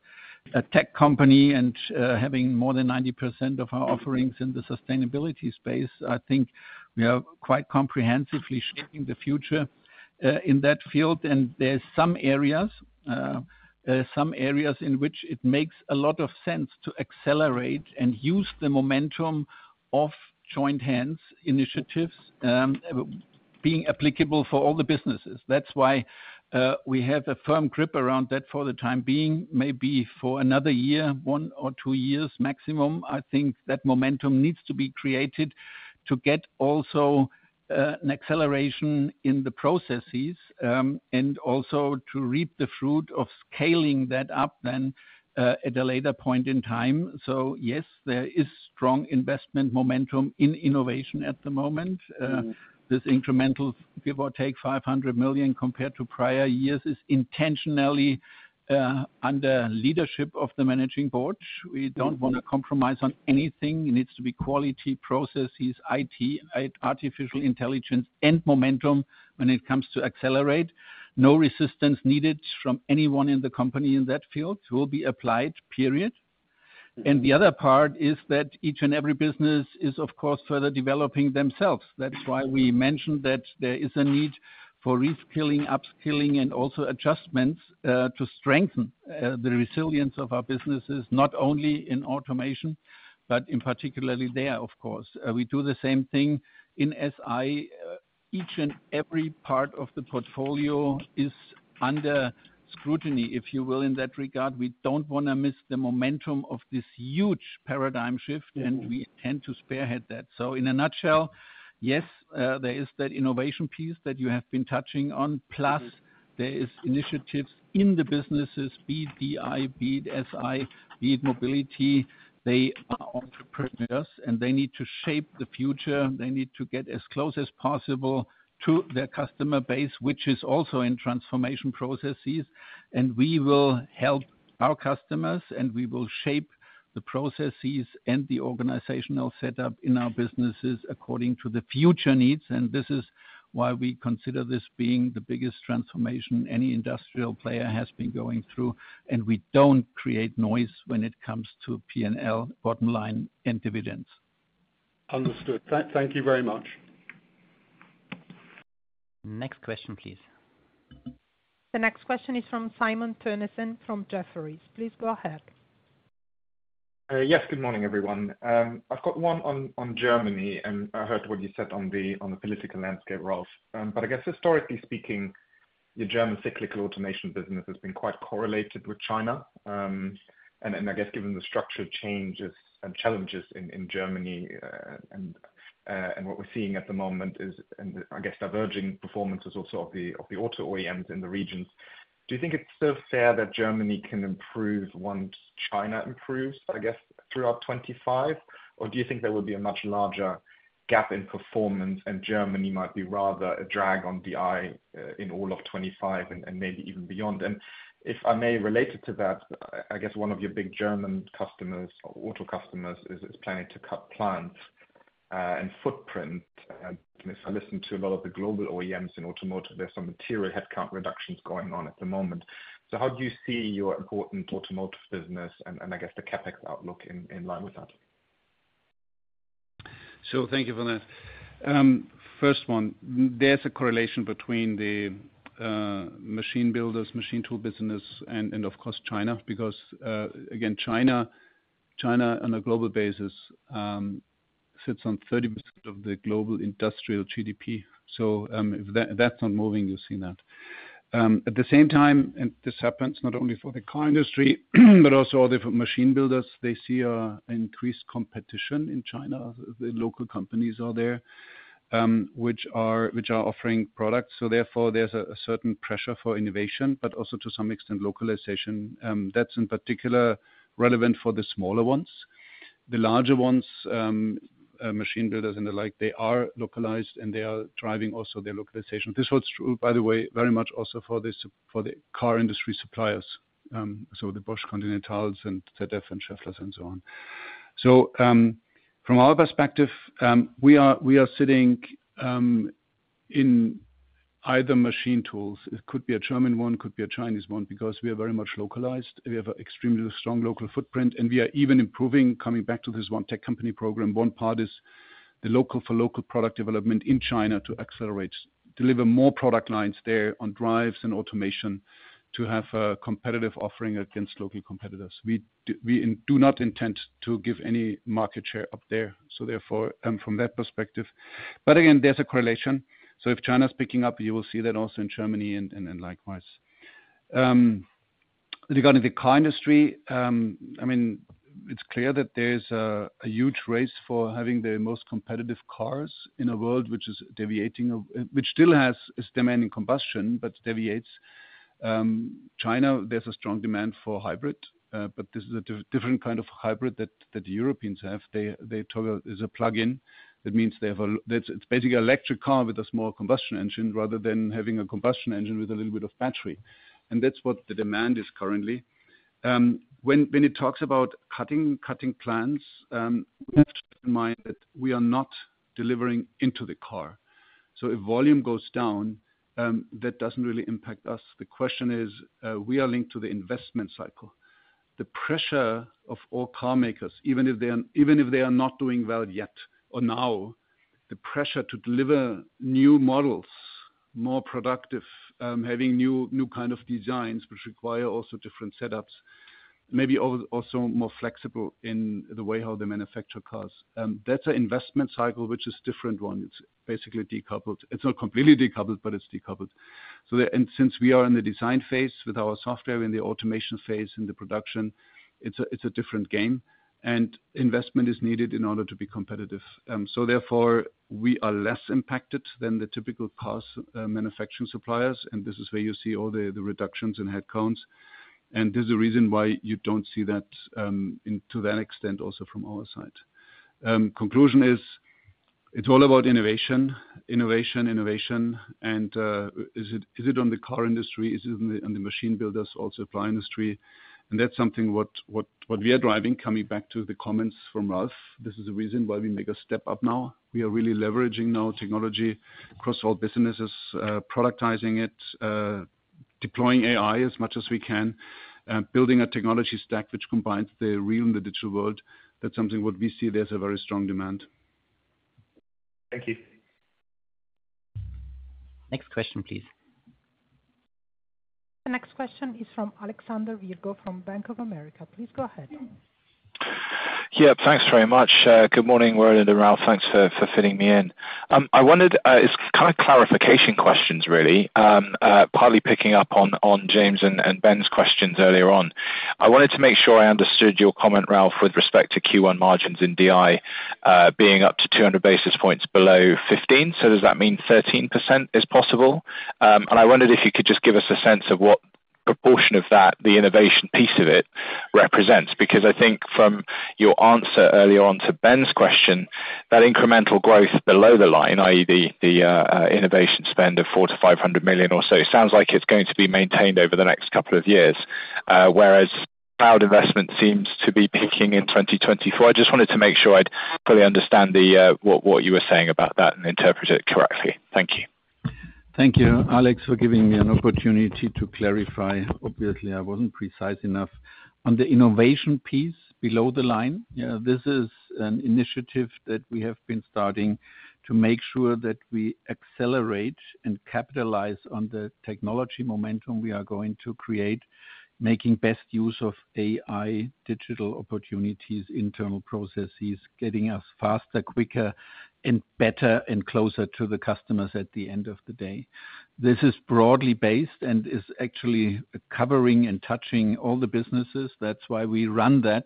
a tech company and having more than 90% of our offerings in the sustainability space. I think we are quite comprehensively shaping the future in that field, and there are some areas in which it makes a lot of sense to accelerate and use the momentum of joint hands initiatives being applicable for all the businesses. That's why we have a firm grip around that for the time being, maybe for another year, one or two years maximum. I think that momentum needs to be created to get also an acceleration in the processes and also to reap the fruit of scaling that up then at a later point in time, so yes, there is strong investment momentum in innovation at the moment. This incremental, give or take 500 million compared to prior years, is intentionally under leadership of the managing board. We don't want to compromise on anything. It needs to be quality processes, IT, artificial intelligence, and momentum when it comes to accelerate. No resistance needed from anyone in the company in that field will be applied, period, and the other part is that each and every business is, of course, further developing themselves. That's why we mentioned that there is a need for reskilling, upskilling, and also adjustments to strengthen the resilience of our businesses, not only in automation, but in particularly there, of course. We do the same thing in SI. Each and every part of the portfolio is under scrutiny, if you will, in that regard. We don't want to miss the momentum of this huge paradigm shift, and we intend to spearhead that. So in a nutshell, yes, there is that innovation piece that you have been touching on, plus there are initiatives in the businesses, be it DI, be it SI, be it mobility. They are entrepreneurs, and they need to shape the future. They need to get as close as possible to their customer base, which is also in transformation processes. And we will help our customers, and we will shape the processes and the organizational setup in our businesses according to the future needs. And this is why we consider this being the biggest transformation any industrial player has been going through. And we don't create noise when it comes to P&L, bottom line, and dividends. Understood. Thank you very much. Next question, please. The next question is from Simon Toennessen from Jefferies. Please go ahead. Yes. Good morning, everyone. I've got one on Germany, and I heard what you said on the political landscape, Ralf. But I guess historically speaking, your German cyclical automation business has been quite correlated with China. And I guess given the structural changes and challenges in Germany and what we're seeing at the moment is, I guess, diverging performances also of the auto OEMs in the regions. Do you think it's still fair that Germany can improve once China improves, I guess, throughout 2025? Or do you think there will be a much larger gap in performance and Germany might be rather a drag on DI in all of 2025 and maybe even beyond? And if I may relate it to that, I guess one of your big German customers, auto customers, is planning to cut plants and footprint. If I listen to a lot of the global OEMs in automotive, there's some material headcount reductions going on at the moment. So how do you see your important automotive business and, I guess, the CapEx outlook in line with that? So thank you for that. First one, there's a correlation between the machine builders, machine tool business, and of course, China. Because again, China on a global basis sits on 30% of the global industrial GDP. So if that's not moving, you've seen that. At the same time, and this happens not only for the car industry, but also all the machine builders, they see an increased competition in China. The local companies are there, which are offering products. So therefore, there's a certain pressure for innovation, but also to some extent localization. That's in particular relevant for the smaller ones. The larger ones, machine builders and the like, they are localized, and they are driving also their localization. This holds true, by the way, very much also for the car industry suppliers, so the Bosch Continentals and ZF and Schaefflers and so on. So from our perspective, we are sitting in either machine tools. It could be a German one, could be a Chinese one, because we are very much localized. We have an extremely strong local footprint, and we are even improving. Coming back to this one tech company program, one part is the local for local product development in China to accelerate, deliver more product lines there on drives and automation to have a competitive offering against local competitors. We do not intend to give any market share up there. So therefore, from that perspective, but again, there's a correlation. So if China is picking up, you will see that also in Germany and likewise. Regarding the car industry, I mean, it's clear that there is a huge race for having the most competitive cars in a world which is deviating, which still has a demand for combustion, but deviates. In China, there's a strong demand for hybrid, but this is a different kind of hybrid than the Europeans have. Their model is a plug-in. That means they have a, it's basically an electric car with a small combustion engine rather than having a combustion engine with a little bit of battery. And that's what the demand is currently. When it talks about shutting plants, we have to keep in mind that we are not delivering into the car. So if volume goes down, that doesn't really impact us. The question is, we are linked to the investment cycle. The pressure of all carmakers, even if they are not doing well yet or now, the pressure to deliver new models, more productive, having new kind of designs, which require also different setups, maybe also more flexible in the way how they manufacture cars. That's an investment cycle, which is a different one. It's basically decoupled. It's not completely decoupled, but it's decoupled. So since we are in the design phase with our software and the automation phase in the production, it's a different game, and investment is needed in order to be competitive, so therefore we are less impacted than the typical cars manufacturing suppliers, and this is where you see all the reductions and headcounts, and this is the reason why you don't see that to that extent also from our side. Conclusion is it's all about innovation, innovation, innovation, and is it on the car industry? Is it on the machine builders, also apply industry? And that's something what we are driving. Coming back to the comments from Ralf, this is the reason why we make a step up now. We are really leveraging now technology across all businesses, productizing it, deploying AI as much as we can, building a technology stack which combines the real and the digital world. That's something what we see there's a very strong demand. Thank you. Next question, please. The next question is from Alexander Virgo from Bank of America. Please go ahead. Yeah. Thanks very much. Good morning, Roland and Ralf. Thanks for fitting me in. I wondered, it's kind of clarification questions, really, partly picking up on James and Ben's questions earlier on. I wanted to make sure I understood your comment, Ralf, with respect to Q1 margins in DI being up to 200 basis points below 15%. Does that mean 13% is possible? I wondered if you could just give us a sense of what proportion of that the innovation piece of it represents. Because I think from your answer earlier on to Ben's question, that incremental growth below the line, i.e., the innovation spend of 400-500 million or so, sounds like it's going to be maintained over the next couple of years, whereas cloud investment seems to be peaking in 2024. I just wanted to make sure I'd fully understand what you were saying about that and interpret it correctly. Thank you. Thank you, Alex, for giving me an opportunity to clarify. Obviously, I wasn't precise enough on the innovation piece below the line. This is an initiative that we have been starting to make sure that we accelerate and capitalize on the technology momentum we are going to create, making best use of AI, digital opportunities, internal processes, getting us faster, quicker, and better and closer to the customers at the end of the day. This is broadly based and is actually covering and touching all the businesses. That's why we run that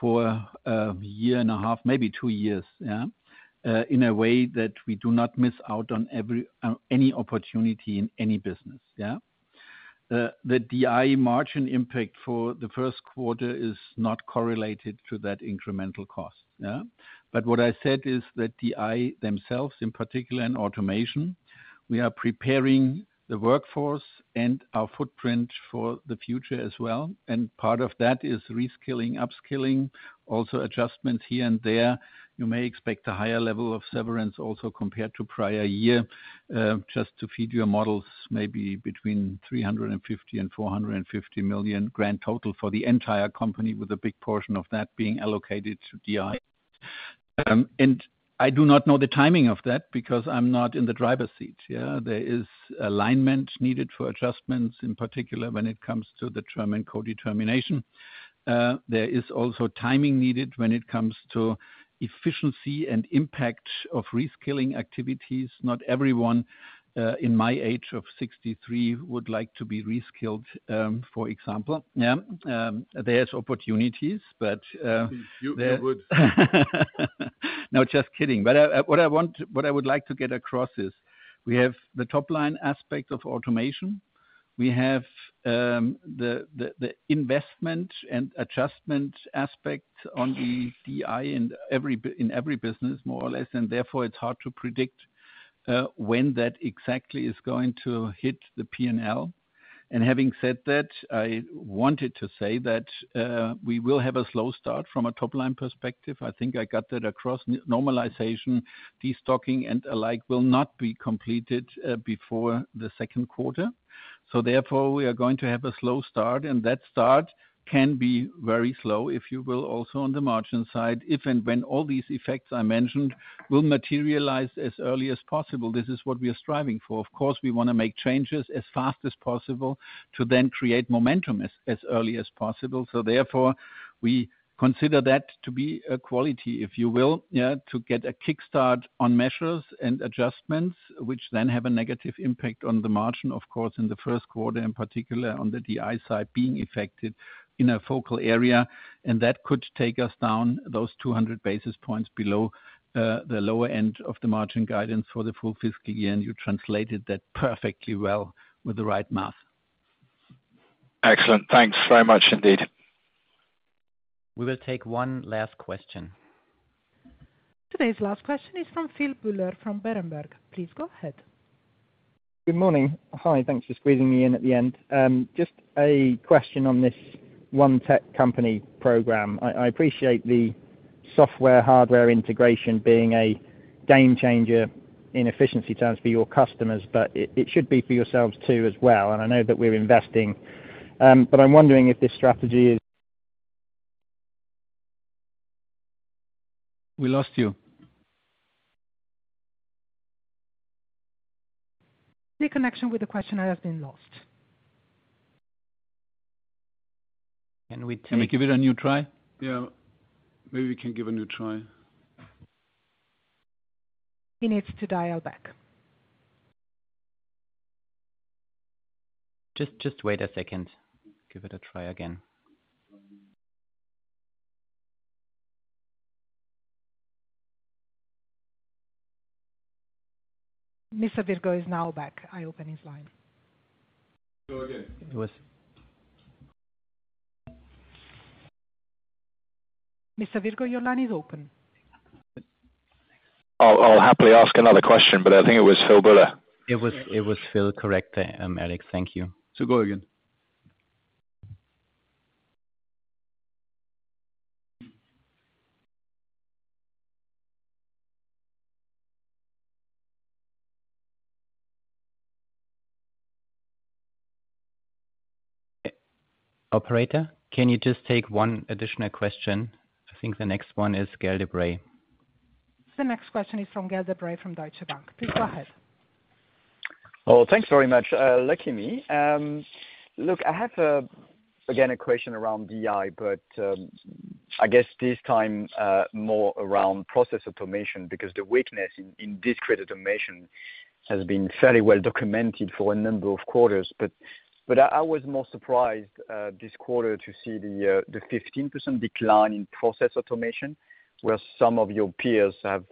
for a year and a half, maybe two years, in a way that we do not miss out on any opportunity in any business. The DI margin impact for the first quarter is not correlated to that incremental cost. But what I said is that DI themselves, in particular, and automation, we are preparing the workforce and our footprint for the future as well. And part of that is reskilling, upskilling, also adjustments here and there. You may expect a higher level of severance also compared to prior year, just to feed your models, maybe between 350 million-450 million grand total for the entire company, with a big portion of that being allocated to DI. I do not know the timing of that because I'm not in the driver's seat. There is alignment needed for adjustments, in particular when it comes to the German co-determination. There is also timing needed when it comes to efficiency and impact of reskilling activities. Not everyone in my age of 63 would like to be reskilled, for example. There's opportunities, but. You would. No, just kidding. What I would like to get across is we have the top line aspect of automation. We have the investment and adjustment aspect on the DI in every business, more or less. Therefore, it's hard to predict when that exactly is going to hit the P&L. Having said that, I wanted to say that we will have a slow start from a top line perspective. I think I got that across. Normalization, destocking, and alike will not be completed before the second quarter. Therefore, we are going to have a slow start. And that start can be very slow, if you will, also on the margin side, if and when all these effects I mentioned will materialize as early as possible. This is what we are striving for. Of course, we want to make changes as fast as possible to then create momentum as early as possible. So therefore, we consider that to be a quality, if you will, to get a kickstart on measures and adjustments, which then have a negative impact on the margin, of course, in the first quarter, in particular on the DI side being affected in a focal area. And that could take us down those 200 basis points below the lower end of the margin guidance for the full fiscal year. And you translated that perfectly well with the right math. Excellent. Thanks very much indeed. We will take one last question. Today's last question is from Philip Buller from Berenberg. Please go ahead. Good morning. Hi. Thanks for squeezing me in at the end. Just a question on this one tech company program. I appreciate the software hardware integration being a game changer in efficiency terms for your customers, but it should be for yourselves too as well. And I know that we're investing, but I'm wondering if this strategy is. We lost you. The connection with the questioner has been lost. Can we give it a new try? Yeah. Maybe we can give a new try. He needs to dial back. Just wait a second. Give it a try again. Mr. Virgo is now back. I open his line. It was. Mr. Virgo, your line is open. I'll happily ask another question, but I think it was Phil Buller. It was Phil. Correct, Alex. Thank you. So go again. Operator, can you just take one additional question? I think the next one is Gael de-Bray. The next question is from Gael de-Bray from Deutsche Bank. Please go ahead. Oh, thanks very much. Lucky me. Look, I have again a question around DI, but I guess this time more around process automation because the weakness in discrete automation has been fairly well documented for a number of quarters. But I was more surprised this quarter to see the 15% decline in process automation, where some of your peers have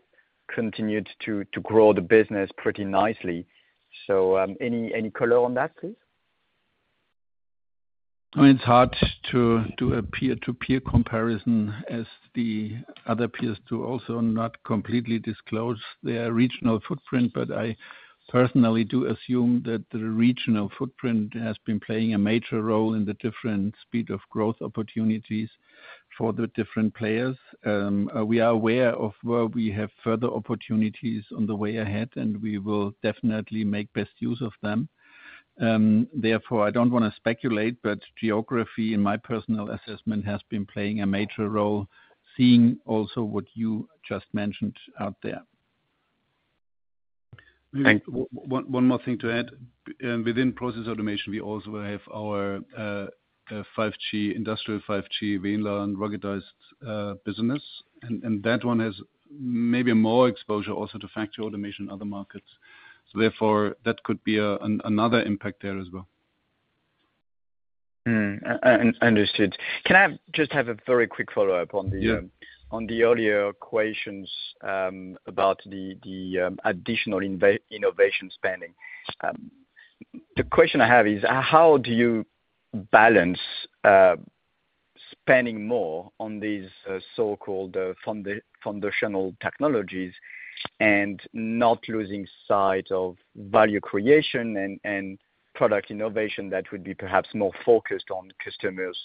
continued to grow the business pretty nicely. So any color on that, please? I mean, it's hard to do a peer-to-peer comparison as the other peers do also not completely disclose their regional footprint. But I personally do assume that the regional footprint has been playing a major role in the different speed of growth opportunities for the different players. We are aware of where we have further opportunities on the way ahead, and we will definitely make best use of them. Therefore, I don't want to speculate, but geography, in my personal assessment, has been playing a major role, seeing also what you just mentioned out there. One more thing to add. Within process automation, we also have our 5G, industrial 5G, VLAN, ruggedized business. And that one has maybe more exposure also to factory automation in other markets. So therefore, that could be another impact there as well. Understood. Can I just have a very quick follow-up on the earlier questions about the additional innovation spending? The question I have is, how do you balance spending more on these so-called foundational technologies and not losing sight of value creation and product innovation that would be perhaps more focused on customers'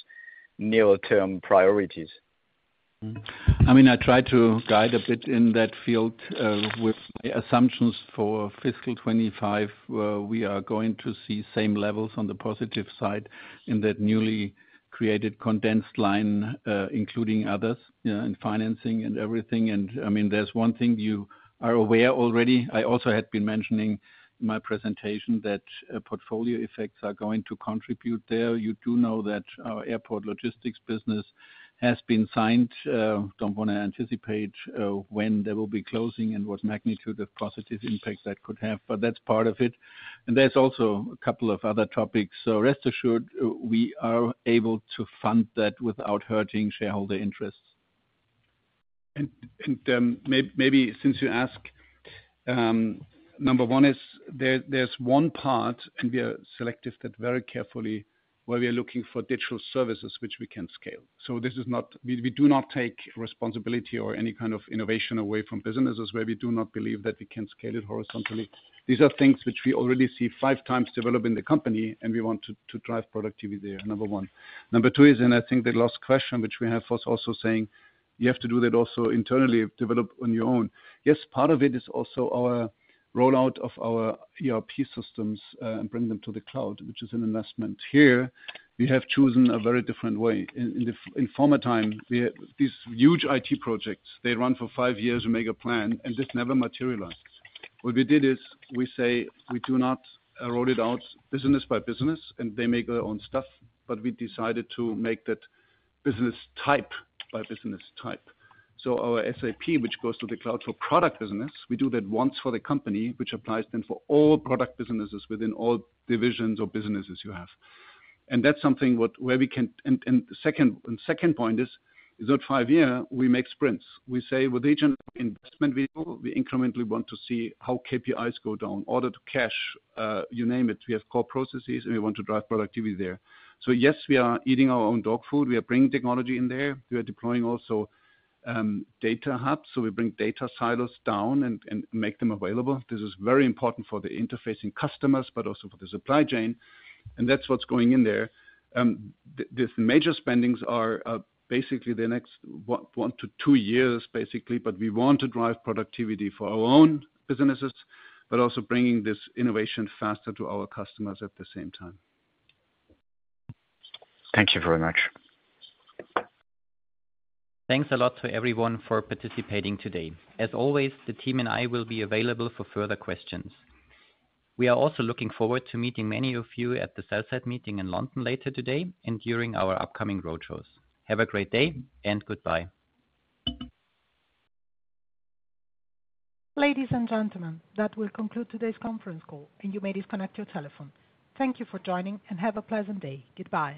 near-term priorities? I mean, I try to guide a bit in that field with my assumptions for fiscal 2025, where we are going to see same levels on the positive side in that newly created condensed line, including others in financing and everything. And I mean, there's one thing you are aware already. I also had been mentioning in my presentation that portfolio effects are going to contribute there. You do know that our airport logistics business has been signed. I don't want to anticipate when there will be closing and what magnitude of positive impact that could have. But that's part of it. And there's also a couple of other topics. So rest assured, we are able to fund that without hurting shareholder interests. And maybe since you asked, number one is there's one part, and we are selective that very carefully where we are looking for digital services which we can scale. So we do not take responsibility or any kind of innovation away from businesses where we do not believe that we can scale it horizontally. These are things which we already see five times develop in the company, and we want to drive productivity there, number one. Number two is, and I think the last question which we have for us also saying, you have to do that also internally, develop on your own. Yes, part of it is also our rollout of our ERP systems and bringing them to the cloud, which is an investment. Here, we have chosen a very different way. In former time, these huge IT projects, they run for five years and make a plan, and this never materialized. What we did is we say we do not roll it out business by business, and they make their own stuff. But we decided to make that business type by business type. So our SAP, which goes to the cloud for product business, we do that once for the company, which applies then for all product businesses within all divisions or businesses you have. And that's something where we can. And second point is, in that five year, we make sprints. We say with each investment we do, we incrementally want to see how KPIs go down, order to cash, you name it. We have core processes, and we want to drive productivity there. So yes, we are eating our own dog food. We are bringing technology in there. We are deploying also data hubs. So we bring data silos down and make them available. This is very important for the interfacing customers, but also for the supply chain, and that's what's going in there. These major spending are basically the next one to two years, basically, but we want to drive productivity for our own businesses, but also bringing this innovation faster to our customers at the same time. Thank you very much. Thanks a lot to everyone for participating today. As always, the team and I will be available for further questions. We are also looking forward to meeting many of you at the sell-side meeting in London later today and during our upcoming roadshows. Have a great day and goodbye. Ladies and gentlemen, that will conclude today's conference call, and you may disconnect your telephone. Thank you for joining, and have a pleasant day. Goodbye.